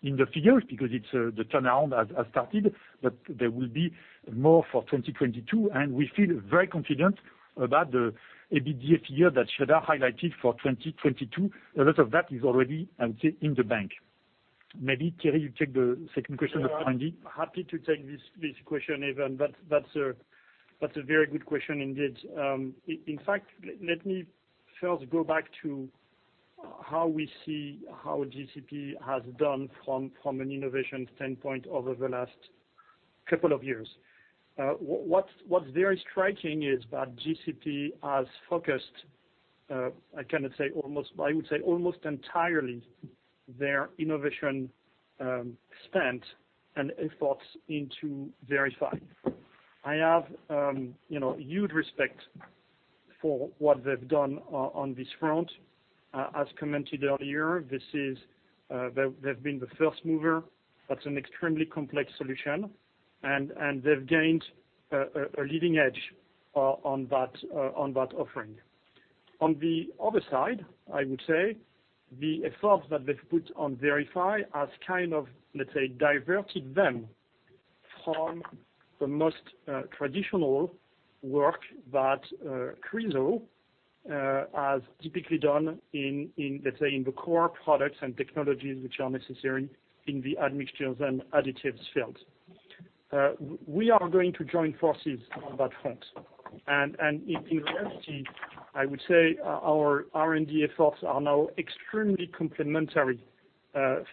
in the figures because it's the turnaround has started, but there will be more for 2022, and we feel very confident about the EBITDA figure that Sreedhar highlighted for 2022. A lot of that is already, I would say, in the bank. Maybe, Thierry, you take the second question of Yves. Happy to take this question, Yves. That's a very good question indeed. In fact, let me first go back to how we see GCP has done from an innovation standpoint over the last couple of years. What's very striking is that GCP has focused. I cannot say almost, but I would say almost entirely their innovation spent and efforts into VERIFI. I have, you know, huge respect for what they've done on this front. As commented earlier, this is, they've been the first mover. That's an extremely complex solution, and they've gained a leading edge on that offering. On the other side, I would say the efforts that they've put on VERIFI has kind of, let's say, diverted them from the most traditional work that Chryso has typically done in, let's say, in the core products and technologies which are necessary in the admixtures and additives fields. We are going to join forces on that front. In reality, I would say our R&D efforts are now extremely complementary,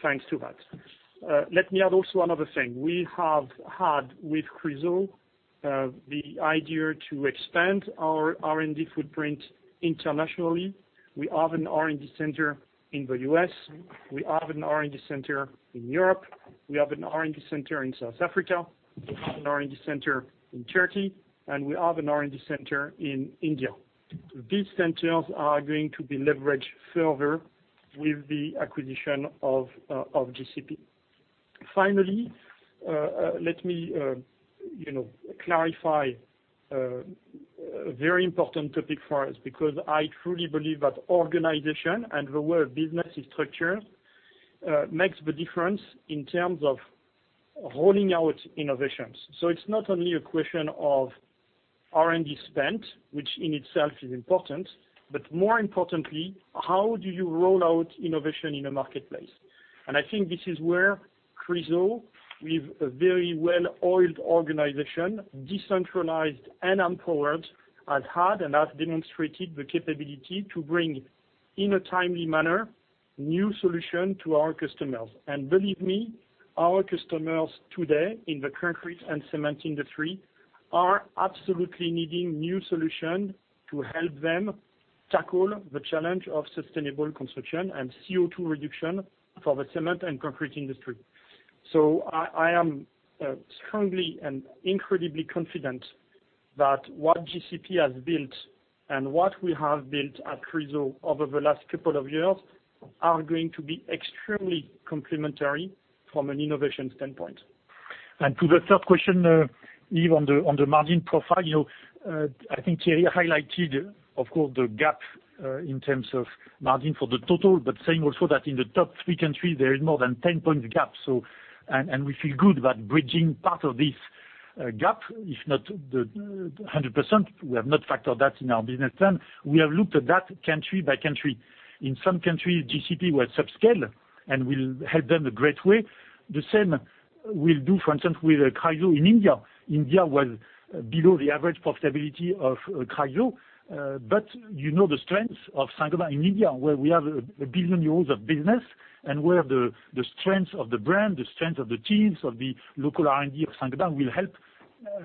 thanks to that. Let me add also another thing. We have had with Chryso the idea to expand our R&D footprint internationally. We have an R&D center in the U.S. We have an R&D center in Europe. We have an R&D center in South Africa. We have an R&D center in Turkey, and we have an R&D center in India. These centers are going to be leveraged further with the acquisition of GCP. Finally, let me, you know, clarify a very important topic for us because I truly believe that organization and the way a business is structured makes the difference in terms of rolling out innovations. It's not only a question of R&D spent, which in itself is important, but more importantly, how do you roll out innovation in a marketplace? I think this is where Chryso, with a very well-oiled organization, decentralized and empowered, has had and has demonstrated the capability to bring in a timely manner new solution to our customers. Believe me, our customers today in the concrete and cement industry are absolutely needing new solution to help them tackle the challenge of sustainable construction and CO2 reduction for the cement and concrete industry. I am strongly and incredibly confident that what GCP has built and what we have built at Chryso over the last couple of years are going to be extremely complementary from an innovation standpoint. To the third question, even on the margin profile, you know, I think Thierry highlighted of course the gap in terms of margin for the total, but saying also that in the top three countries there is more than 10 points gap. We feel good about bridging part of this gap, if not the 100%. We have not factored that in our business plan. We have looked at that country by country. In some countries, GCP was subscale, and we'll help them a great way. The same we'll do for instance with Chryso in India. India was below the average profitability of Chryso. You know the strength of Saint-Gobain in India, where we have 1 billion euros of business and where the strength of the brand, the strength of the teams, of the local R&D of Saint-Gobain will help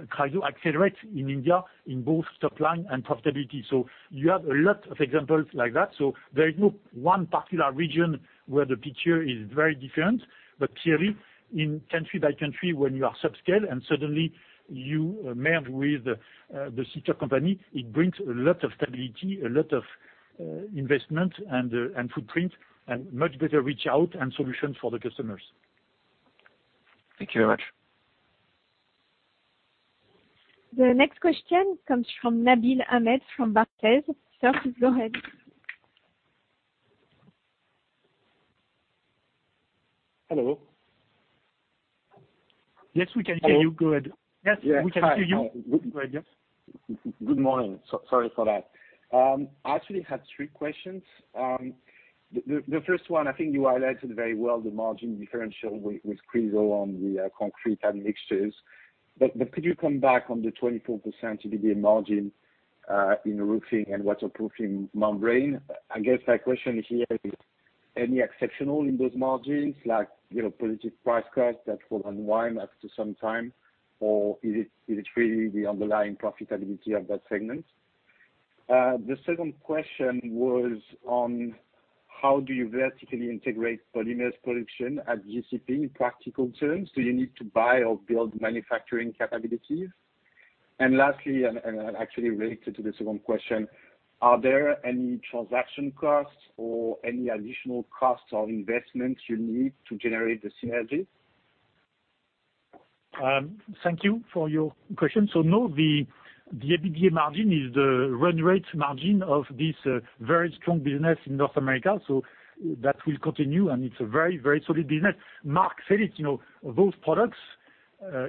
Chryso accelerate in India in both top line and profitability. You have a lot of examples like that. There is no one particular region where the picture is very different. Clearly, in country by country when you are subscale and suddenly you merge with the sister company, it brings a lot of stability, a lot of investment and footprint and much better reach out and solutions for the customers. Thank you very much. The next question comes from Nabil Ahmed from Barclays. Sir, please go ahead. Hello? Yes, we can hear you. Go ahead. Yes, we can hear you. Go ahead, yes. Good morning. Sorry for that. I actually had three questions. The first one I think you highlighted very well the margin differential with Chryso on the concrete admixtures. Could you come back on the 24% EBITDA margin in roofing and waterproofing membrane? I guess my question here is there any exceptional in those margins, like, you know, positive price/cost that will unwind after some time? Or is it really the underlying profitability of that segment? The second question was on how do you vertically integrate polymers production at GCP in practical terms? Do you need to buy or build manufacturing capabilities? Lastly, actually related to the second question, are there any transaction costs or any additional costs or investments you need to generate the synergies? Thank you for your question. No, the EBITDA margin is the run rate margin of this very strong business in North America. That will continue, and it's a very, very solid business. Mark said it, you know, those products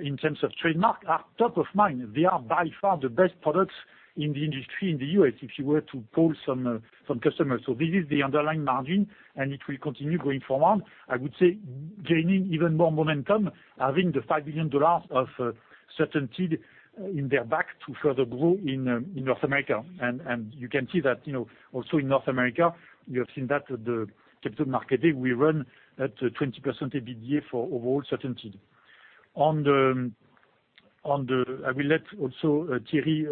in terms of trademark are top of mind. They are by far the best products in the industry in the U.S., if you were to poll some customers. This is the underlying margin, and it will continue going forward. I would say gaining even more momentum, having the $5 billion of CertainTeed in their backyard to further grow in North America. You can see that, you know, also in North America. You have seen that the Capital Markets Day, we run at 20% EBITDA for overall CertainTeed. I will let also Thierry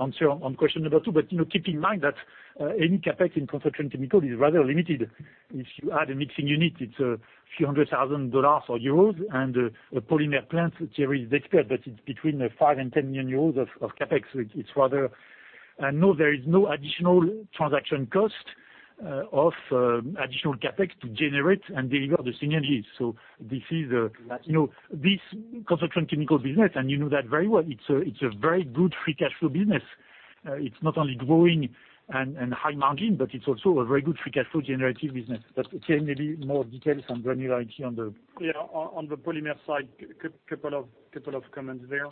answer on question number 2. You know, keep in mind that any CapEx in construction chemicals is rather limited. If you add a mixing unit, it's a few $100,000 or EUR 100,000, and a polymer plant, Thierry is the expert, but it's between 5-10 million euros of CapEx. So it's rather. No, there is no additional transaction cost of additional CapEx to generate and deliver the synergies. So this is. You know, this construction chemical business, and you know that very well, it's a very good free cash flow business. It's not only growing and high margin, but it's also a very good free cash flow generating business. Thierry, maybe more details on granular actually on the polymer side. Yeah, on the polymer side, couple of comments there.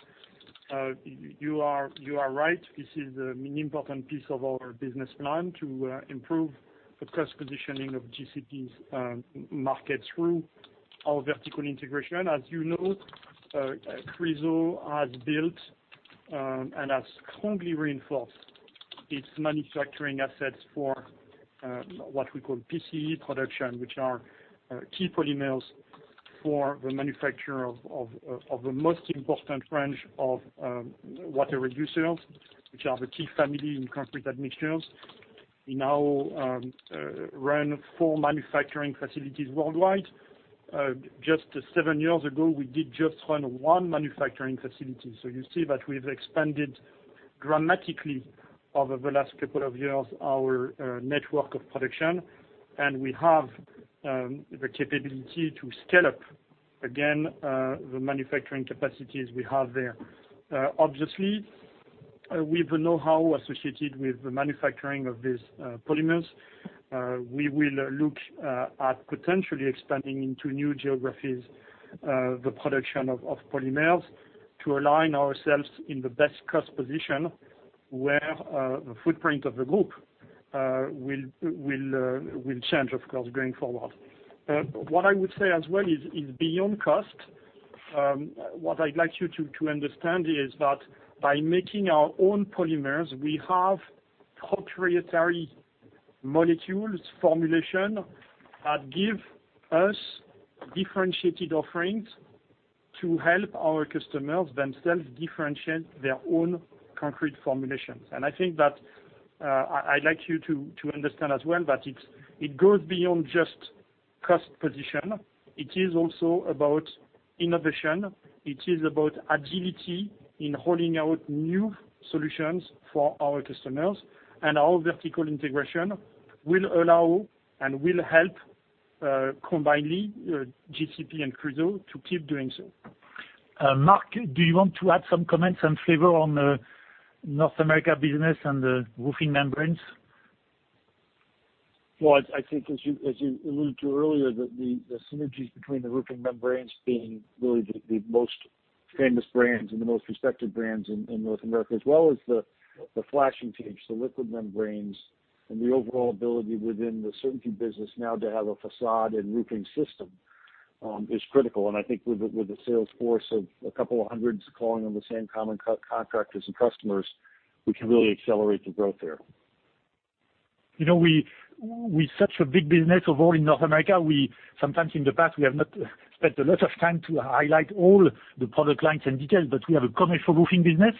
You are right. This is an important piece of our business plan to improve the cost positioning of GCP's market through our vertical integration. As you know, Chryso has built and has strongly reinforced its manufacturing assets for what we call PCE production, which are key polymers for the manufacture of the most important range of water reducers, which are the key family in concrete admixtures. We now run four manufacturing facilities worldwide. Just seven years ago, we did just run one manufacturing facility. You see that we've expanded dramatically over the last couple of years our network of production, and we have the capability to scale up again the manufacturing capacities we have there. Obviously, with the know-how associated with the manufacturing of these polymers, we will look at potentially expanding into new geographies the production of polymers to align ourselves in the best cost position where the footprint of the group will change, of course, going forward. What I would say as well is beyond cost, what I'd like you to understand is that by making our own polymers, we have proprietary molecules formulation that give us differentiated offerings to help our customers themselves differentiate their own concrete formulations. I think that I'd like you to understand as well that it's it goes beyond just cost position. It is also about innovation. It is about agility in rolling out new solutions for our customers. Our vertical integration will allow and will help, combinedly, GCP and Chryso to keep doing so. Mark, do you want to add some comments and flavor on the North America business and the roofing membranes? Well, I think as you alluded to earlier, the synergies between the roofing membranes being really the most famous brands and the most respected brands in North America, as well as the flashing tapes, the liquid membranes, and the overall ability within the CertainTeed business now to have a facade and roofing system, is critical. I think with the sales force of a couple of hundreds calling on the same common contractors and customers, we can really accelerate the growth there. You know, we're such a big business overall in North America. We sometimes in the past have not spent a lot of time to highlight all the product lines and details, but we have a commercial roofing business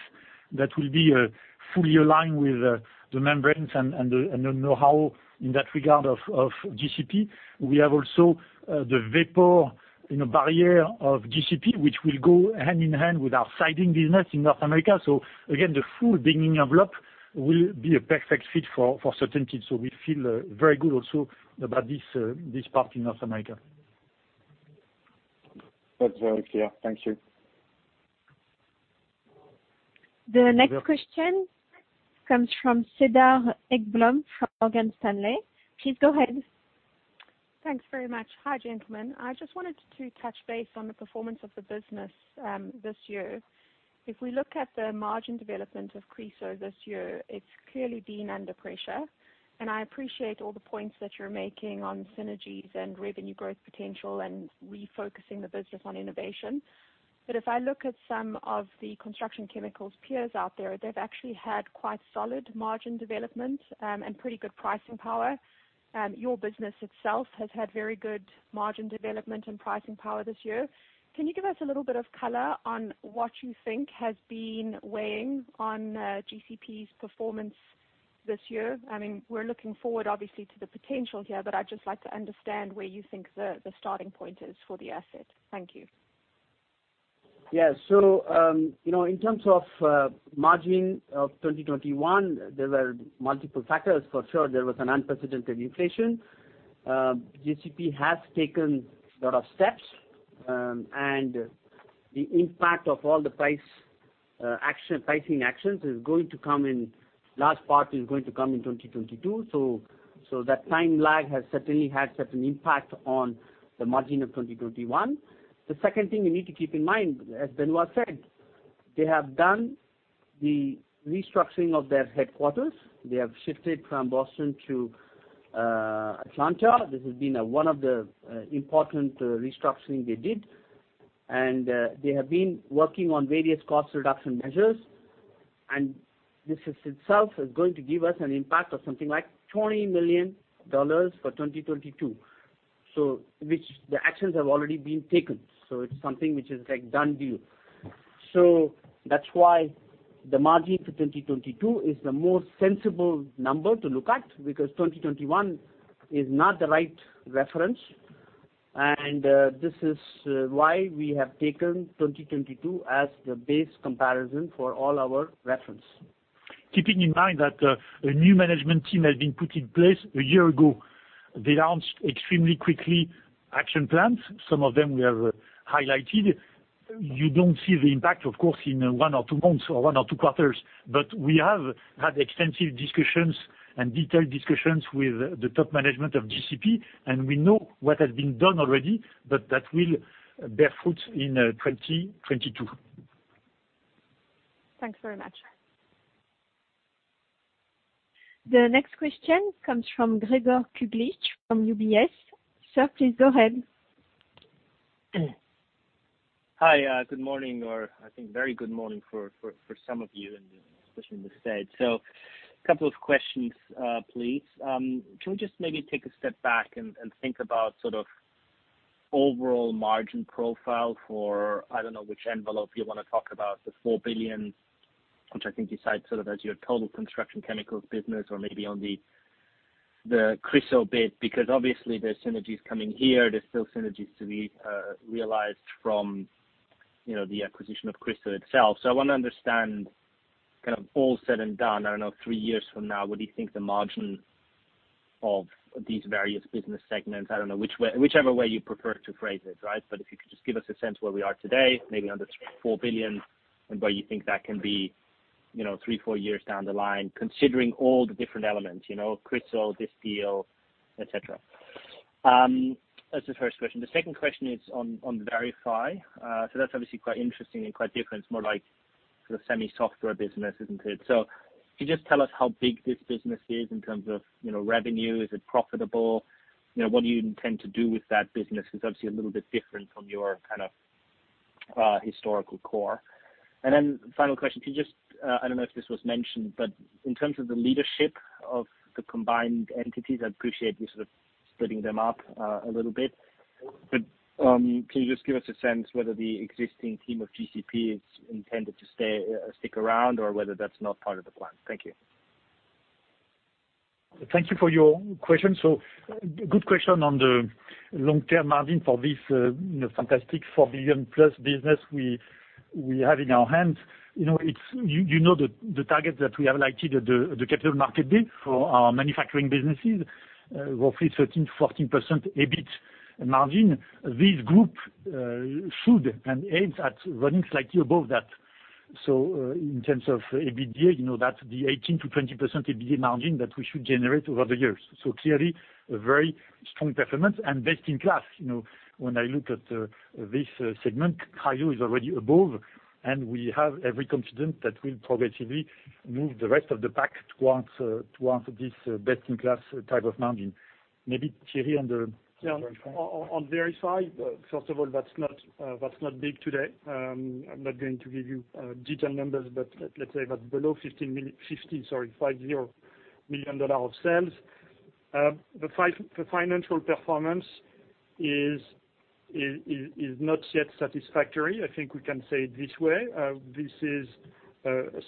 that will be fully aligned with the membranes and the know-how in that regard of GCP. We have also the vapor, you know, barrier of GCP, which will go hand in hand with our siding business in North America. Again, the full building envelope will be a perfect fit for CertainTeed. We feel very good also about this part in North America. That's very clear. Thank you. The next question comes from Cedar Ekblom from Morgan Stanley. Please go ahead. Thanks very much. Hi, gentlemen. I just wanted to touch base on the performance of the business this year. If we look at the margin development of Chryso this year, it's clearly been under pressure. I appreciate all the points that you're making on synergies and revenue growth potential and refocusing the business on innovation. If I look at some of the construction chemicals peers out there, they've actually had quite solid margin development and pretty good pricing power. Your business itself has had very good margin development and pricing power this year. Can you give us a little bit of color on what you think has been weighing on GCP's performance this year? I mean, we're looking forward, obviously, to the potential here, but I'd just like to understand where you think the starting point is for the asset. Thank you. In terms of margin of 2021, there were multiple factors for sure. There was an unprecedented inflation. GCP has taken a lot of steps, and the impact of all the price action, pricing actions is going to come in, large part is going to come in 2022. That time lag has certainly had certain impact on the margin of 2021. The second thing you need to keep in mind, as Benoit said, they have done the restructuring of their headquarters. They have shifted from Boston to Atlanta. This has been one of the important restructuring they did. They have been working on various cost reduction measures, and this itself is going to give us an impact of something like $20 million for 2022, so the actions have already been taken. It's something which is like done deal. That's why the margin for 2022 is the most sensible number to look at because 2021 is not the right reference, and this is why we have taken 2022 as the base comparison for all our reference. Keeping in mind that a new management team has been put in place a year ago. They announced extremely quickly action plans. Some of them we have highlighted. You don't see the impact, of course, in one or two months or one or two quarters. We have had extensive discussions and detailed discussions with the top management of GCP, and we know what has been done already, but that will bear fruit in 2022. Thanks very much. The next question comes from Gregor Kuglitsch from UBS. Sir, please go ahead. Hi. Good morning, or I think very good morning for some of you, and especially in the States. Couple of questions, please. Can we just maybe take a step back and think about sort of overall margin profile for, I don't know which envelope you wanna talk about, the 4 billion, which I think you cite sort of as your total construction chemicals business or maybe on the Chryso bit, because obviously there's synergies coming here. There's still synergies to be realized from, you know, the acquisition of Chryso itself. I wanna understand kind of all said and done, I don't know, three years from now, what do you think the margin of these various business segments, I don't know which way, whichever way you prefer to phrase it, right? If you could just give us a sense where we are today, maybe under 4 billion, and where you think that can be, you know, three, four years down the line, considering all the different elements, you know, Chryso, this deal, et cetera. That's the first question. The second question is on VERIFI. So that's obviously quite interesting and quite different. It's more like the SaaS business, isn't it? So can you just tell us how big this business is in terms of, you know, revenue? Is it profitable? You know, what do you intend to do with that business? It's obviously a little bit different from your kind of historical core. Then final question, can you just, I don't know if this was mentioned, but in terms of the leadership of the combined entities, I'd appreciate you sort of splitting them up, a little bit. Can you just give us a sense whether the existing team of GCP is intended to stay, stick around or whether that's not part of the plan? Thank you. Thank you for your question. Good question on the long-term margin for this, you know, fantastic 4 billion+ business we have in our hands. You know the target that we have set at the Capital Markets Day for our manufacturing businesses, roughly 13%-14% EBIT margin. This group should and aims at running slightly above that. In terms of EBITDA, you know that the 18%-20% EBITDA margin that we should generate over the years. Clearly a very strong performance and best in class. You know, when I look at this segment, Chryso is already above, and we have every confidence that we'll progressively move the rest of the pack towards this best in class type of margin. On VERIFI, first of all, that's not big today. I'm not going to give you detailed numbers, but let's say that below $50 million of sales. The financial performance is not yet satisfactory. I think we can say it this way. This is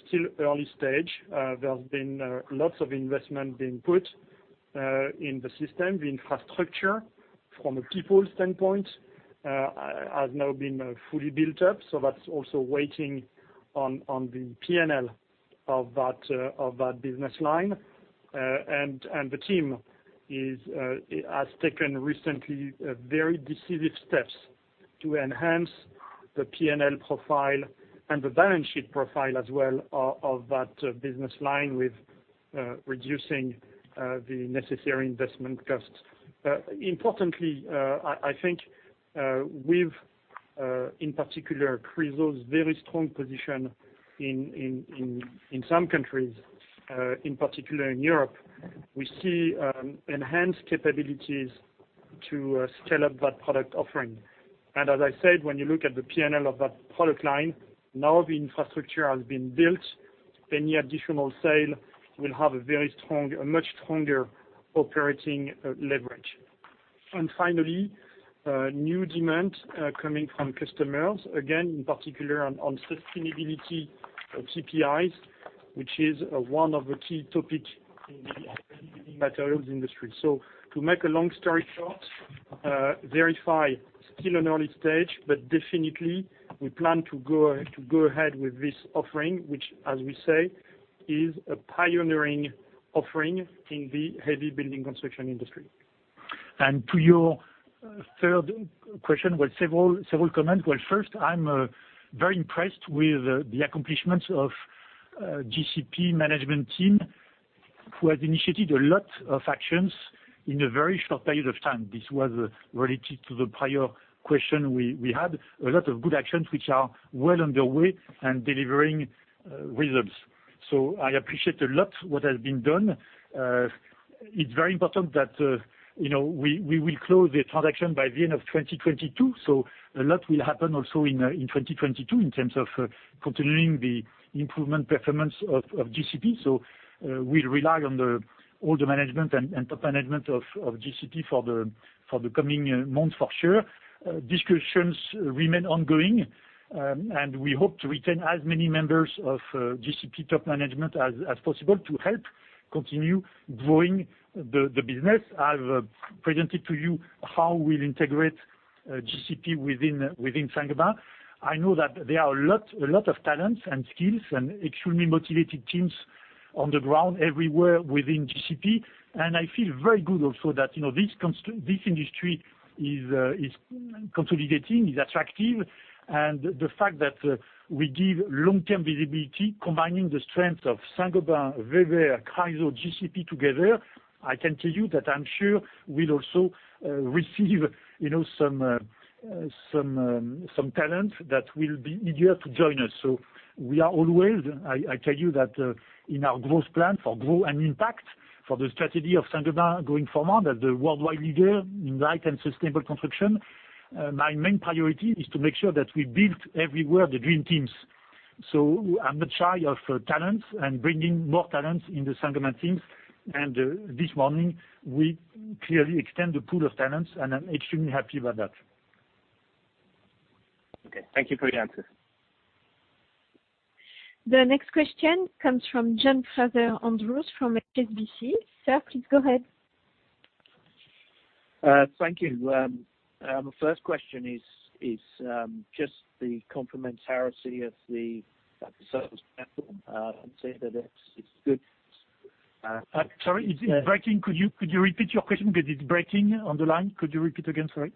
still early stage. There's been lots of investment being put in the system. The infrastructure from a people standpoint has now been fully built up, so that's also waiting on the P&L of that business line. The team has taken recently very decisive steps to enhance the P&L profile and the balance sheet profile as well of that business line with Reducing the necessary investment costs. Importantly, I think we have, in particular, Chryso's very strong position in some countries, in particular in Europe, we see enhanced capabilities to scale up that product offering. As I said, when you look at the P&L of that product line, now the infrastructure has been built. Any additional sale will have a much stronger operating leverage. Finally, new demand coming from customers, again, in particular on sustainability, CO2, which is one of the key topics in the materials industry. To make a long story short, VERIFI is still an early stage, but definitely we plan to go ahead with this offering, which as we say, is a pioneering offering in the heavy building construction industry. To your third question, well, several comments. Well, first, I'm very impressed with the accomplishments of GCP management team, who has initiated a lot of actions in a very short period of time. This was related to the prior question we had. A lot of good actions which are well underway and delivering results. I appreciate a lot what has been done. It's very important that you know, we will close the transaction by the end of 2022. A lot will happen also in 2022 in terms of continuing the improvement performance of GCP. We'll rely on all the management and top management of GCP for the coming months for sure. Discussions remain ongoing. We hope to retain as many members of GCP top management as possible to help continue growing the business. I've presented to you how we'll integrate GCP within Saint-Gobain. I know that there are a lot of talents and skills and extremely motivated teams on the ground everywhere within GCP. I feel very good also that, you know, this industry is consolidating, is attractive. The fact that we give long-term visibility combining the strength of Saint-Gobain, Weber, Chryso, GCP together, I can tell you that I'm sure we'll also receive, you know, some talent that will be eager to join us. We are always, I tell you that, in our growth plan for Grow and Impact, for the strategy of Saint-Gobain going forward, as the worldwide leader in light and sustainable construction, my main priority is to make sure that we build everywhere the dream teams. I'm not shy of talents and bringing more talents in the Saint-Gobain teams. This morning, we clearly extend the pool of talents, and I'm extremely happy about that. Okay. Thank you for the answer. The next question comes from John Fraser-Andrews from HSBC. Sir, please go ahead. Thank you. First question is just the complementarity of the sales platform. I'd say that it's good. Sorry, it's breaking. Could you repeat your question because it's breaking on the line? Could you repeat again? Sorry?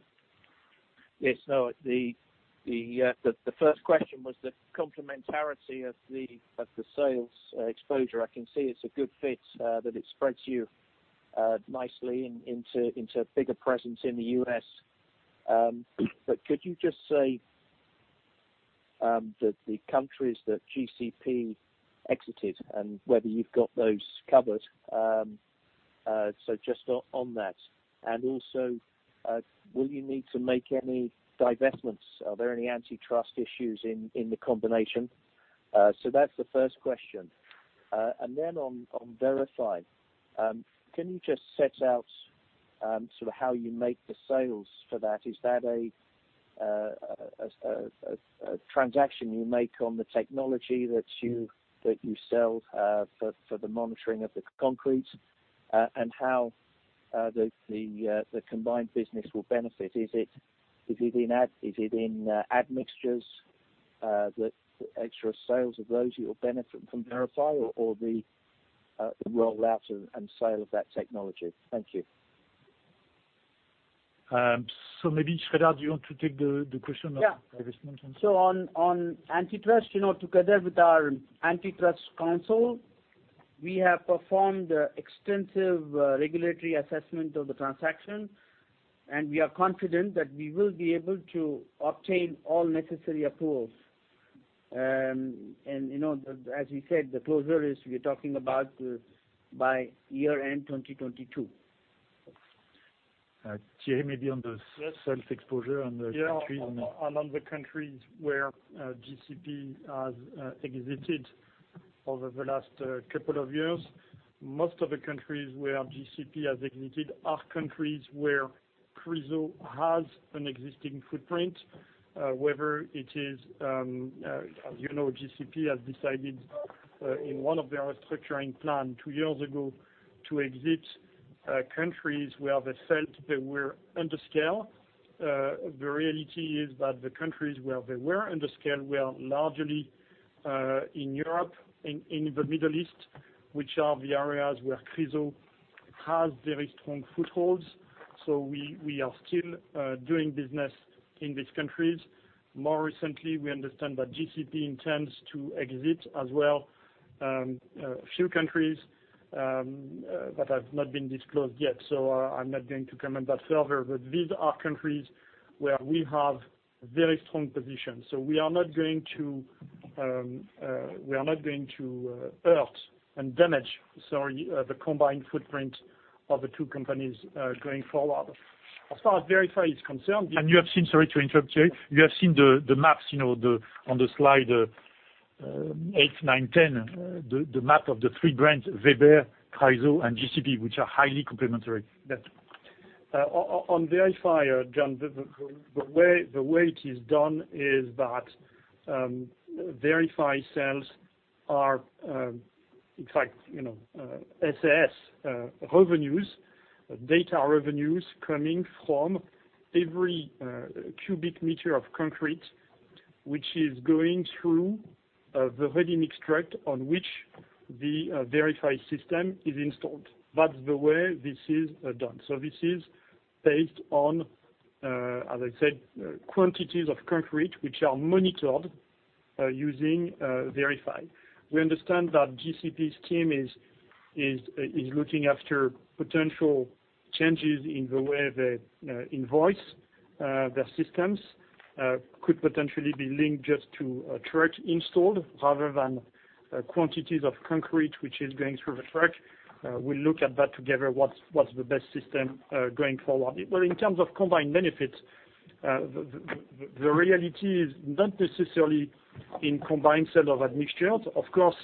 Yes. No. The first question was the complementarity of the sales exposure. I can see it's a good fit that it spreads you nicely into a bigger presence in the U.S. Could you just say the countries that GCP exited and whether you've got those covered? Also, will you need to make any divestments? Are there any antitrust issues in the combination? That's the first question. On VERIFI, can you just set out sort of how you make the sales for that? Is that a transaction you make on the technology that you sell for the monitoring of the concrete, and how the combined business will benefit? Is it in admixtures that extra sales of those you'll benefit from VERIFI or the rollout and sale of that technology? Thank you. Maybe, Sreedhar, do you want to take the question of divestment? On antitrust, you know, together with our antitrust counsel, we have performed extensive regulatory assessment of the transaction, and we are confident that we will be able to obtain all necessary approvals. You know, as we said, the closing we're talking about by year-end 2022. Thierry, maybe on the sales exposure on the countries. On the countries where GCP has exited over the last couple of years, most of the countries where GCP has exited are countries where Chryso has an existing footprint. As you know, GCP has decided in one of their restructuring plan two years ago to exit countries where they felt they were under scale. The reality is that the countries where they were under scale were largely in Europe, in the Middle East, which are the areas where Chryso has very strong footholds, so we are still doing business in these countries. More recently, we understand that GCP intends to exit as well a few countries that have not been disclosed yet, so I'm not going to comment that further. These are countries where we have very strong positions. We are not going to hurt and damage, sorry, the combined footprint of the two companies, going forward. Sorry to interrupt you. You have seen the maps, you know, on the slide 8, 9, 10. The map of the three brands, Weber, Chryso, and GCP, which are highly complementary. Yes. On VERIFI, John, the way it is done is that VERIFI sales are, in fact, you know, SaaS revenues, data revenues coming from every cubic meter of concrete which is going through the ready-mix truck on which the VERIFI system is installed. That's the way this is done. This is based on, as I said, quantities of concrete which are monitored using VERIFI. We understand that GCP's team is looking after potential changes in the way they invoice. Their systems could potentially be linked just to a truck installed rather than quantities of concrete which is going through the truck. We'll look at that together, what's the best system going forward. Well, in terms of combined benefits, the reality is not necessarily in combined sale of admixtures. Of course,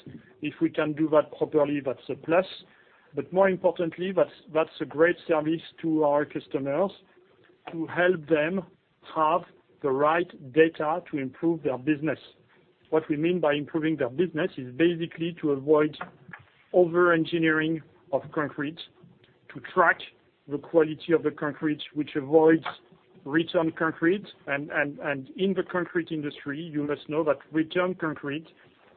if we can do that properly, that's a plus. More importantly, that's a great service to our customers to help them have the right data to improve their business. What we mean by improving their business is basically to avoid over-engineering of concrete, to track the quality of the concrete, which avoids return concrete. In the concrete industry, you must know that return concrete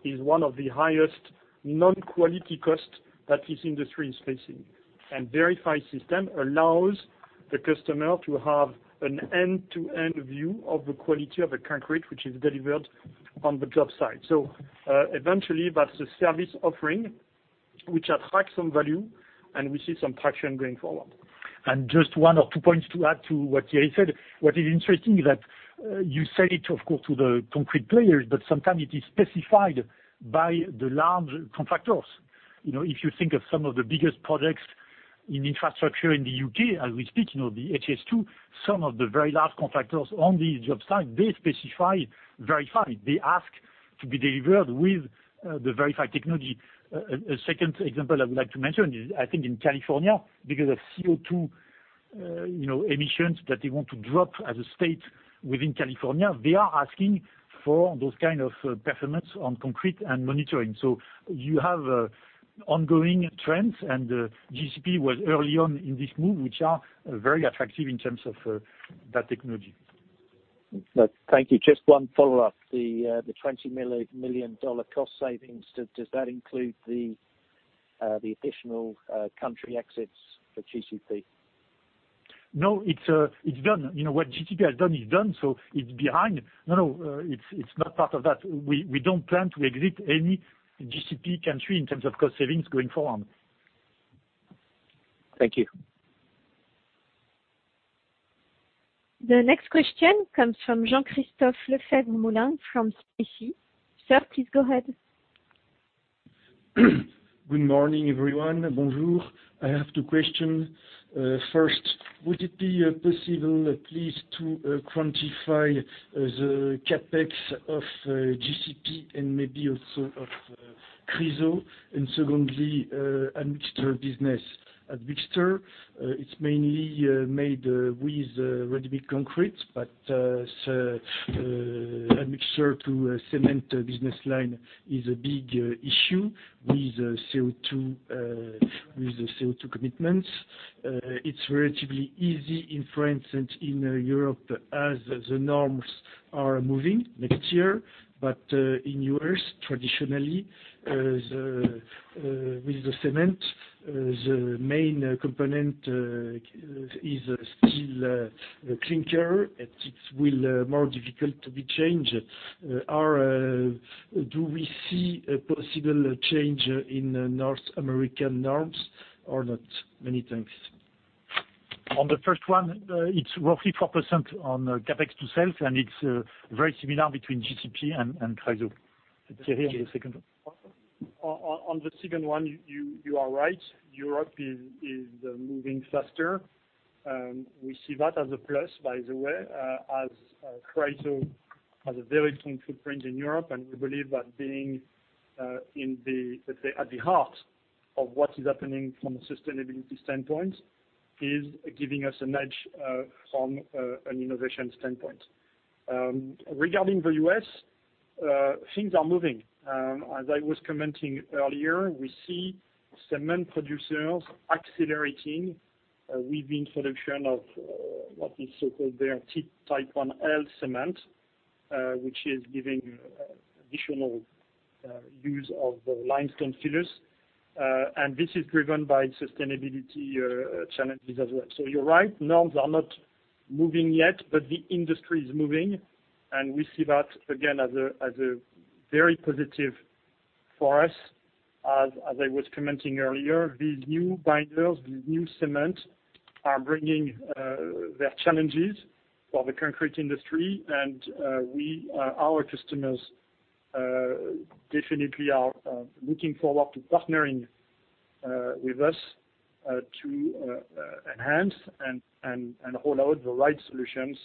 is one of the highest non-quality costs that this industry is facing. VERIFI system allows the customer to have an end-to-end view of the quality of the concrete which is delivered on the job site. Eventually, that's a service offering which attracts some value, and we see some traction going forward. Just one or two points to add to what Thierry said. What is interesting is that you sell it of course to the concrete players, but sometimes it is specified by the large contractors. You know, if you think of some of the biggest projects in infrastructure in the U.K. as we speak, you know, the HS2, some of the very large contractors on the job site, they specify VERIFI. They ask to be delivered with the VERIFI technology. A second example I would like to mention is I think in California, because of CO2 emissions that they want to drop as a state within California, they are asking for those kind of performance on concrete and monitoring. You have ongoing trends, and GCP was early on in this move, which are very attractive in terms of that technology. Thank you. Just one follow-up. The $20 million cost savings, does that include the additional country exits for GCP? No, it's done. You know, what GCP has done is done, so it's behind. No, it's not part of that. We don't plan to exit any GCP country in terms of cost savings going forward. Thank you. The next question comes from Jean-Christophe Lefèvre-Moulenq from CIC Market Solutions. Sir, please go ahead. Good morning, everyone. Bonjour. I have two questions. First, would it be possible, please, to quantify the CapEx of GCP and maybe also of Chryso? Secondly, admixture business. Admixture, it's mainly made with ready-mix concrete, but so admixture to cement business line is a big issue with CO2, with the CO2 commitments. It's relatively easy in France and in Europe as the norms are moving next year. But in U.S., traditionally, with the cement, the main component is still clinker. It will be more difficult to be changed. Do we see a possible change in North American norms or not? Many thanks. On the first one, it's roughly 4% on CapEx to sales, and it's very similar between GCP and Chryso. Thierry, on the second one. On the second one, you are right. Europe is moving faster. We see that as a plus, by the way, as Chryso has a very strong footprint in Europe. We believe that being in the heart of what is happening from a sustainability standpoint is giving us an edge from an innovation standpoint. Regarding the U.S., things are moving. As I was commenting earlier, we see cement producers accelerating with introduction of what is so-called their Type IL cement. Which is giving additional use of the limestone fillers. This is driven by sustainability challenges as well. You're right, norms are not moving yet, but the industry is moving, and we see that again as a very positive for us. As I was commenting earlier, these new binders, these new cements are bringing their challenges for the concrete industry and our customers definitely are looking forward to partnering with us to enhance and roll out the right solutions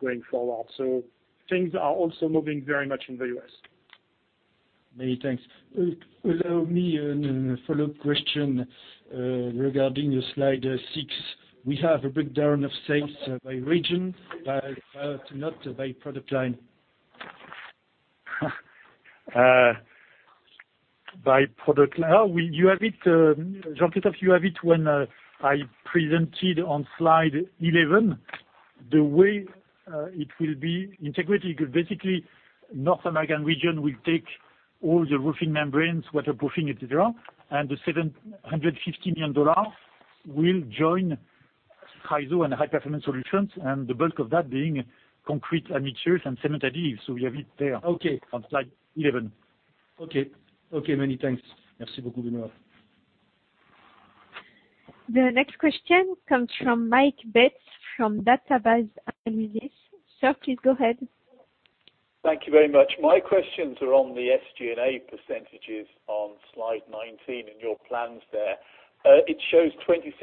going forward. Things are also moving very much in the U.S. Many thanks. Allow me an follow-up question regarding your slide six. We have a breakdown of sales by region, but not by product line. By product line. You have it, Jean-Christophe, when I presented on slide 11, the way it will be integrated. Basically, North American region will take all the roofing membranes, waterproofing, et cetera, and the $750 million will join Chryso and High Performance Solutions, and the bulk of that being concrete admixtures and cement additives, so we have it there on slide 11. Okay, many thanks. The next question comes from Mike Betts from Jefferies International. Sir, please go ahead. Thank you very much. My questions are on the SG&A percentages on slide 19 and your plans there. It shows 26%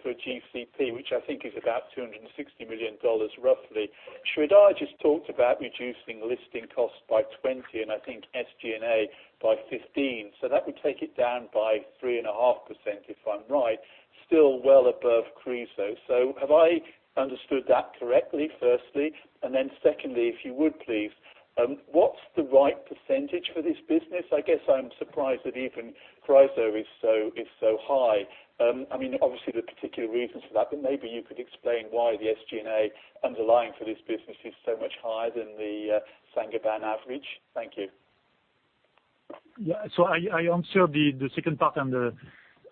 for GCP, which I think is about $260 million roughly. Sreedhar just talked about reducing listing costs by$20 and I think SG&A by $15, so that would take it down by 3.5%, if I'm right, still well above Chryso. Have I understood that correctly, firstly? Secondly, if you would, please, what's the right percentage for this business? I guess I'm surprised that even Chryso is so high. I mean, obviously there are particular reasons for that, but maybe you could explain why the SG&A underlying for this business is so much higher than the Saint-Gobain average. Thank you. I answered the second part,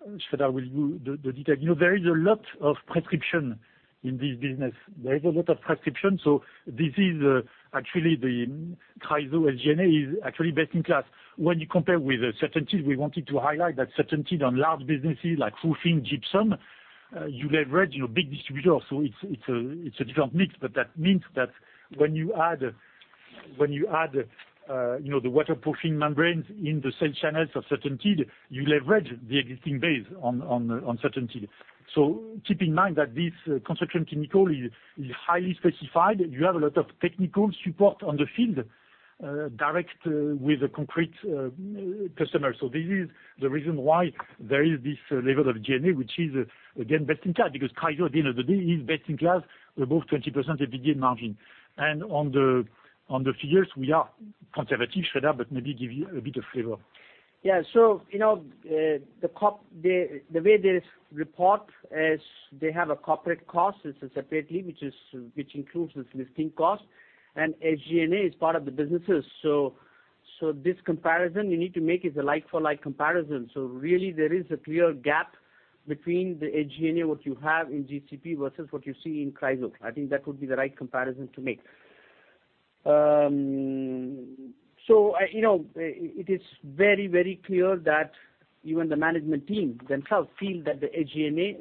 and Sreedhar will do the detail. There is a lot of prescription in this business. There is a lot of prescription, so this is actually the Chryso SG&A is actually best in class. When you compare with CertainTeed, we wanted to highlight that CertainTeed on large businesses like roofing, gypsum, you leverage big distributors, so it's a different mix. That means that when you add the waterproofing membranes in the same channels of CertainTeed, you leverage the existing base on CertainTeed. Keep in mind that this construction chemical is highly specified. You have a lot of technical support on the field direct with the concrete customers. This is the reason why there is this level of SG&A, which is, again, best in class because Chryso, at the end of the day, is best in class, above 20% EBITDA margin. On the figures, we are conservative, Sreedhar, but maybe give you a bit of flavor. The way they report is they have a corporate cost separately, which includes this listing cost, and SG&A is part of the businesses. This comparison you need to make is a like-for-like comparison. Really there is a clear gap between the SG&A, what you have in GCP versus what you see in Chryso. I think that would be the right comparison to make. You know, it is very, very clear that even the management team themselves feel that the SG&A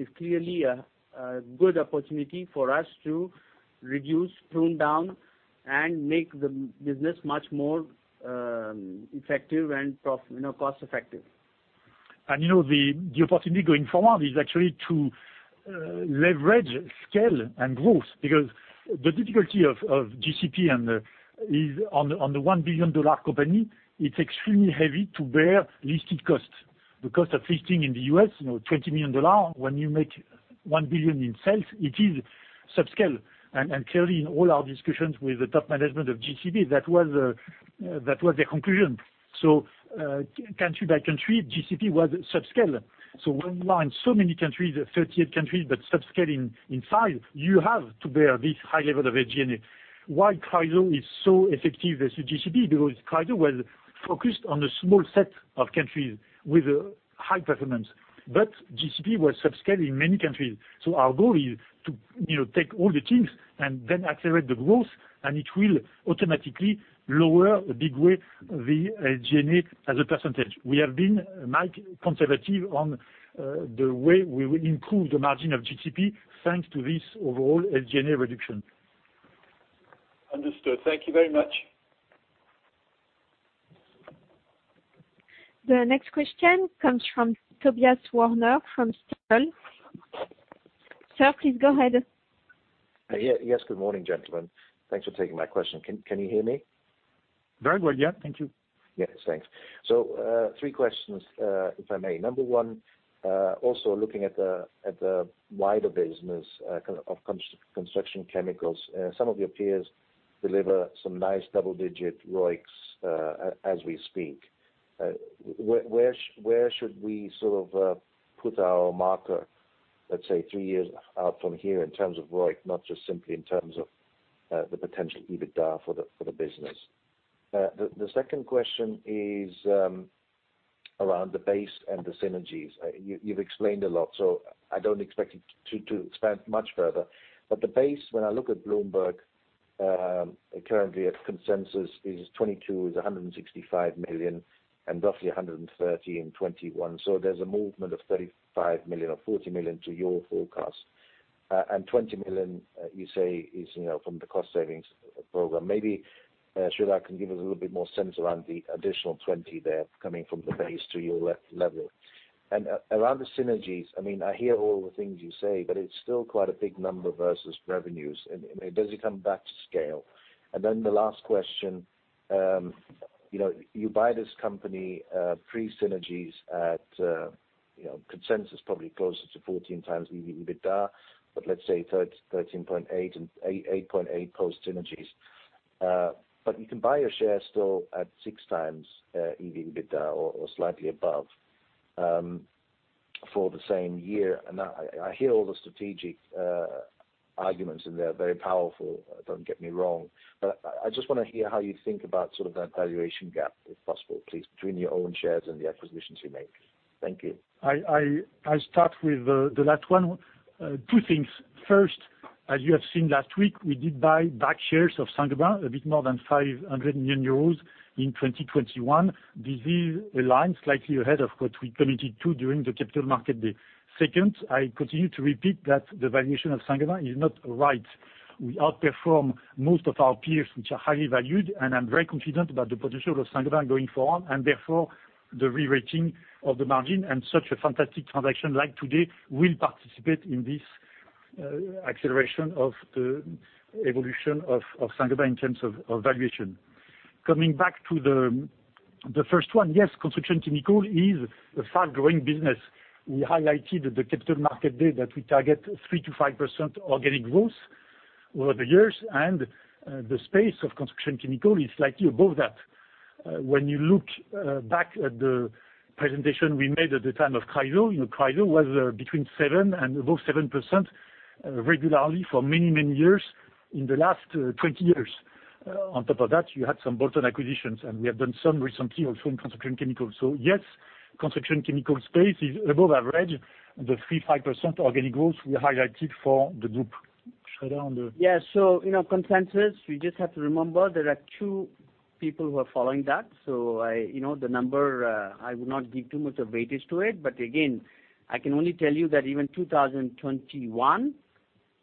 is clearly a good opportunity for us to reduce, prune down, and make the business much more effective and profitable cost-effective. You know, the opportunity going forward is actually to leverage scale and growth because the difficulty of GCP is on the $1 billion company, it's extremely heavy to bear listing costs. The cost of listing in the U.S., you know, $20 million, when you make $1 billion in sales, it is subscale. Clearly in all our discussions with the top management of GCP, that was the conclusion. Country by country, GCP was subscale. When you are in so many countries, 38 countries, but subscale in size, you have to bear this high level of SG&A. Why Chryso is so effective versus GCP, because Chryso was focused on a small set of countries with high performance. GCP was subscale in many countries. Our goal is to, you know, take all the teams and then accelerate the growth, and it will automatically lower in a big way the SG&A as a percentage. We have been, Mike, conservative on the way we will improve the margin of GCP thanks to this overall SG&A reduction. Understood. Thank you very much. The next question comes from Tobias Woerner from Stifel. Sir, please go ahead. Yes, good morning, gentlemen. Thanks for taking my question. Can you hear me? Very well, yeah. Thank you. Yes, thanks. Three questions, if I may. Number one, also looking at the wider business of construction chemicals, some of your peers deliver some nice double-digit ROICs, as we speak. Where should we sort of put our marker? Let's say 3 years out from here in terms of ROIC, not just simply in terms of the potential EBITDA for the business. The second question is around the base and the synergies. You have explained a lot, so I don't expect you to expand much further. But the base, when I look at Bloomberg, currently at consensus is 2022 is 165 million, and roughly 130 million in 2021. There's a movement of 35 million or 40 million to your forecast. 20 million, you say, is, you know, from the cost savings program. Maybe Sreedhar can give us a little bit more sense around the additional 20 million there coming from the base to your level. Around the synergies, I mean, I hear all the things you say, but it's still quite a big number versus revenues. I mean, does it come back to scale? Then the last question, you know, you buy this company pre-synergies at, you know, consensus probably closer to 14x the EBITDA, but let's say 13.8x and 8.8x post-synergies. You can buy your shares still at 6x EBITDA or slightly above for the same year. I hear all the strategic arguments, and they're very powerful, don't get me wrong. I just wanna hear how you think about sort of that valuation gap, if possible, please, between your own shares and the acquisitions you make. Thank you. I start with the last one. Two things. First, as you have seen last week, we did buy back shares of Saint-Gobain, a bit more than 500 million euros in 2021. This is aligned slightly ahead of what we committed to during the Capital Markets Day. Second, I continue to repeat that the valuation of Saint-Gobain is not right. We outperform most of our peers, which are highly valued, and I'm very confident about the potential of Saint-Gobain going forward, and therefore the rerating of the margin and such a fantastic transaction like today will participate in this acceleration of the evolution of Saint-Gobain in terms of valuation. Coming back to the first one, yes, Construction Chemicals is a fast-growing business. We highlighted at the Capital Markets Day that we target 3%-5% organic growth over the years, and the space of Construction Chemicals is slightly above that. When you look back at the presentation we made at the time of Chryso, you know, Chryso was between 7% and above 7% regularly for many, many years in the last 20 years. On top of that, you had some bolt-on acquisitions, and we have done some recently also in Construction Chemicals. Yes, Construction Chemicals space is above average, the 3%-5% organic growth we highlighted for the group. On the consensus, we just have to remember there are two people who are following that. You know, the number, I would not give too much a weightage to it. But again, I can only tell you that even 2021,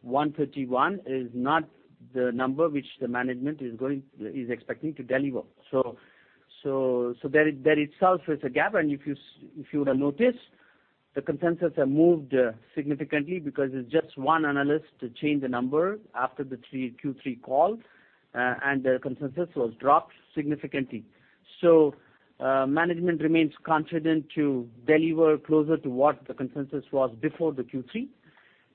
131 is not the number which the management is expecting to deliver. That itself is a gap. If you would have noticed, the consensus have moved significantly because it's just one analyst to change the number after the Q3 call, and the consensus was dropped significantly. Management remains confident to deliver closer to what the consensus was before the Q3.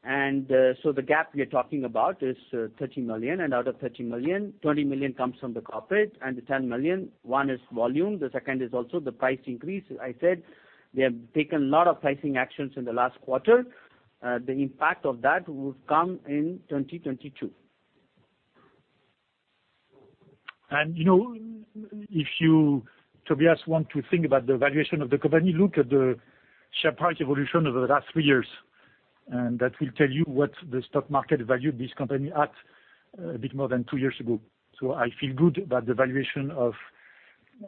The gap we are talking about is 30 million. Out of 30 million, 20 million comes from the corporate, and the 10 million, one is volume, the second is also the price increase. I said they have taken a lot of pricing actions in the last quarter. The impact of that would come in 2022. You know, if you, Tobias, want to think about the valuation of the company, look at the share price evolution over the last three years, and that will tell you what the stock market valued this company at a bit more than two years ago. I feel good about the valuation of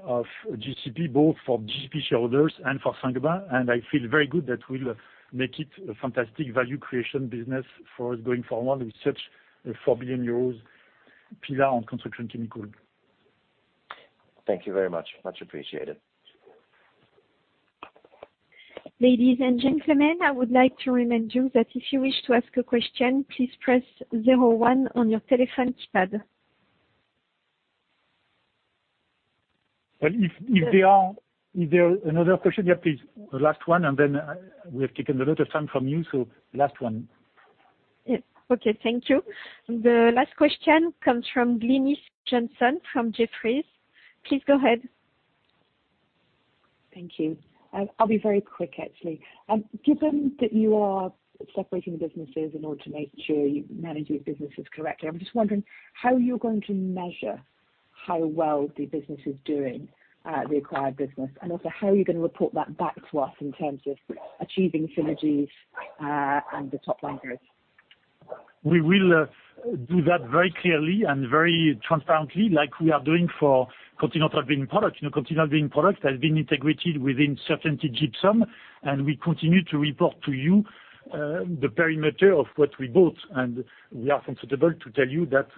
GCP, both for GCP shareholders and for Saint-Gobain, and I feel very good that we'll make it a fantastic value creation business for us going forward with such a 4 billion euros pillar on Construction Chemicals. Thank you very much. Much appreciated. Ladies and gentlemen, I would like to remind you that if you wish to ask a question, please press zero one on your telephone keypad. Well, if there are another question. Yeah, please. The last one, and then we have taken a lot of time from you, so last one. Yes. Okay. Thank you. The last question comes from Glynis Johnson from Jefferies. Please go ahead. Thank you. I'll be very quick actually. Given that you are separating the businesses in order to make sure you manage your businesses correctly, I'm just wondering how you're going to measure how well the business is doing, the acquired business, and also how you're gonna report that back to us in terms of achieving synergies, and the top line growth. We will do that very clearly and very transparently like we are doing for Continental Building Products. You know, Continental Building Products has been integrated within CertainTeed Gypsum, and we continue to report to you the perimeter of what we built. We are comfortable to tell you that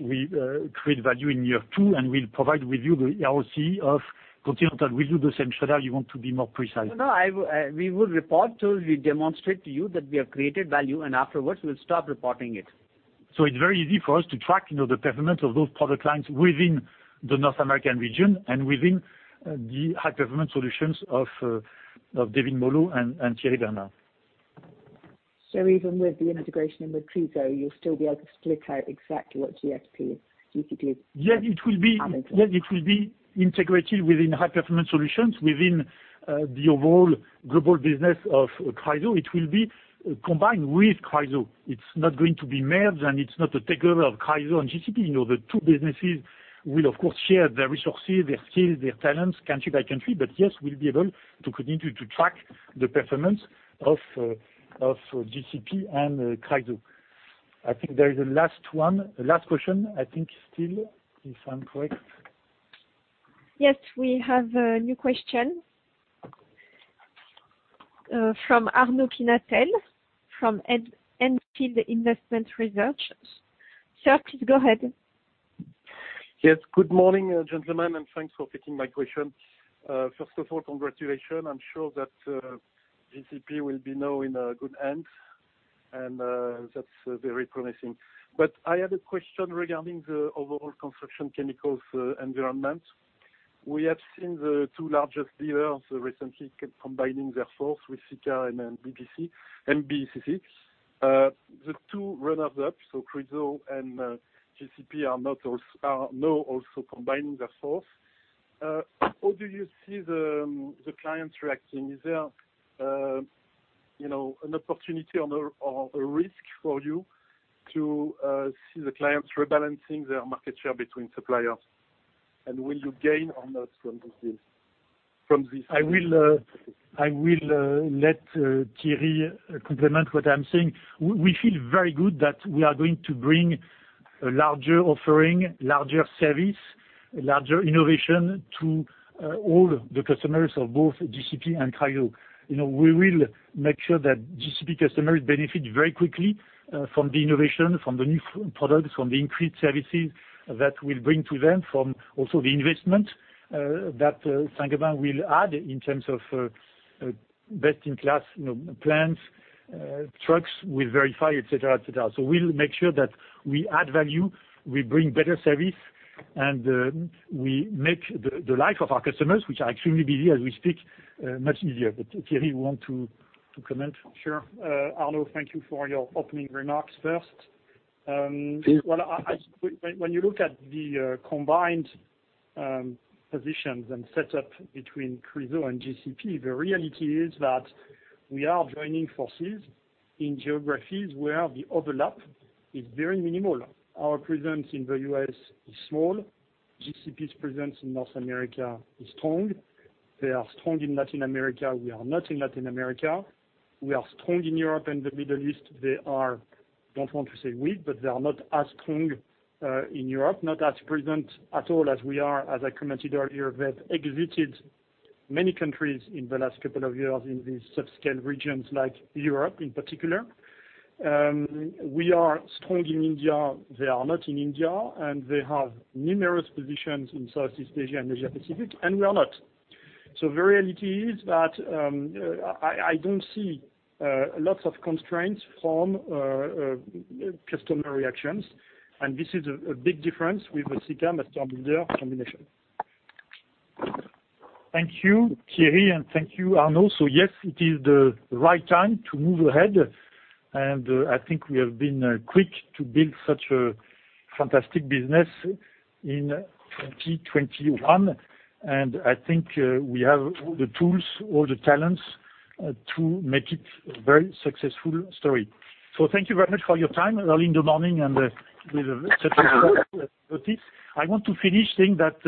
we create value in year two, and we'll provide with you the ROCE of Continental. We do the same, Sreedhar, you want to be more precise. No, no. We will report till we demonstrate to you that we have created value, and afterwards we'll stop reporting it. It's very easy for us to track, you know, the performance of those product lines within the North American region and within the High Performance Solutions of David Molho and Thierry Bernard. Even with the integration in with Chryso, you'll still be able to split out exactly what GCP is? Yes, it will be integrated within High Performance Solutions, within the overall global business of Chryso. It will be combined with Chryso. It's not going to be merged, and it's not a takeover of Chryso and GCP. You know, the two businesses will, of course, share their resources, their skills, their talents country by country. Yes, we'll be able to continue to track the performance of GCP and Chryso. I think there is a last one, a last question, I think, still, if I'm correct. Yes, we have a new question from Arnaud Pinatel from On Field Investment Research. Sir, please go ahead. Yes, good morning, gentlemen, and thanks for taking my question. First of all, congratulations. I'm sure that GCP will be now in good hands, and that's very promising. I had a question regarding the overall construction chemicals environment. We have seen the two largest dealers recently combining their forces with Sika and MBCC. The two runners-up, so Chryso and GCP are now also combining their forces. How do you see the clients reacting? Is there, you know, an opportunity or a risk for you to see the clients rebalancing their market share between suppliers? And will you gain or not from this deal? I will let Thierry complement what I'm saying. We feel very good that we are going to bring a larger offering, larger service, larger innovation to all the customers of both GCP and Chryso. You know, we will make sure that GCP customers benefit very quickly from the innovation, from the new products, from the increased services that we'll bring to them from also the investment that Saint-Gobain will add in terms of best-in-class, you know, plants, trucks with VERIFI, et cetera, et cetera. We'll make sure that we add value, we bring better service, and we make the life of our customers, which are extremely busy as we speak, much easier. Thierry, you want to comment? Sure. Arnaud, thank you for your opening remarks first. When you look at the combined positions and setup between Chryso and GCP, the reality is that we are joining forces in geographies where the overlap is very minimal. Our presence in the U.S. is small. GCP's presence in North America is strong. They are strong in Latin America. We are not in Latin America. We are strong in Europe and the Middle East. They are, don't want to say weak, but they are not as strong in Europe, not as present at all as we are, as I commented earlier. They've exited many countries in the last couple of years in these subscale regions like Europe in particular. We are strong in India. They are not in India, and they have numerous positions in Southeast Asia and Asia-Pacific, and we are not. The reality is that I don't see lots of constraints from customer reactions, and this is a big difference with the Sika/Master Builders combination. Thank you, Thierry, and thank you, Arnaud. Yes, it is the right time to move ahead, and I think we have been quick to build such a fantastic business in 2021. I think we have all the tools, all the talents to make it a very successful story. Thank you very much for your time early in the morning and with that I want to finish saying that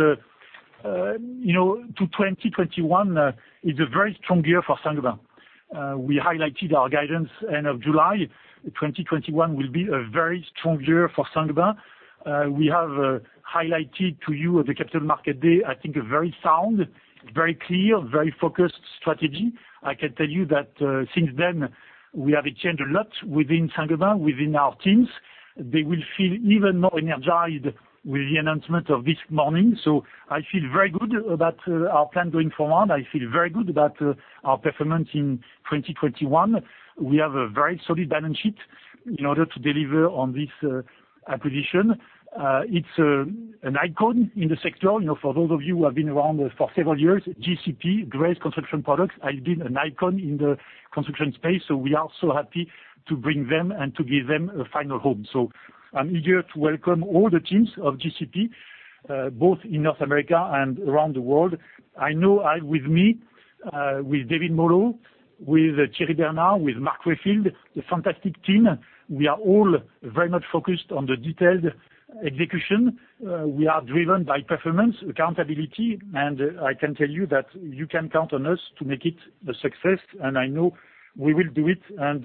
2021 is a very strong year for Saint-Gobain. We highlighted our guidance end of July. 2021 will be a very strong year for Saint-Gobain. We have highlighted to you at the Capital Markets Day a very sound, very clear, very focused strategy. I can tell you that, since then, we haven't changed a lot within Saint-Gobain, within our teams. They will feel even more energized with the announcement of this morning. I feel very good about our plan going forward. I feel very good about our performance in 2021. We have a very solid balance sheet in order to deliver on this acquisition. It's an icon in the sector. You know, for those of you who have been around for several years, GCP Applied Technologies has been an icon in the construction space, so we are so happy to bring them and to give them a final home. I'm eager to welcome all the teams of GCP, both in North America and around the world. With me, with David Molho, with Thierry Bernard, with Mark Rayfield, the fantastic team, we are all very much focused on the detailed execution. We are driven by performance, accountability, and I can tell you that you can count on us to make it a success. I know we will do it, and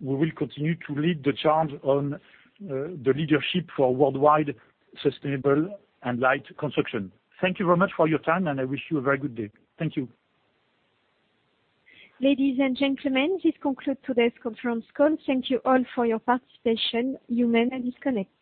we will continue to lead the charge on the leadership for worldwide sustainable and light construction. Thank you very much for your time, and I wish you a very good day. Thank you. Ladies and gentlemen, this concludes today's conference call. Thank you all for your participation. You may disconnect.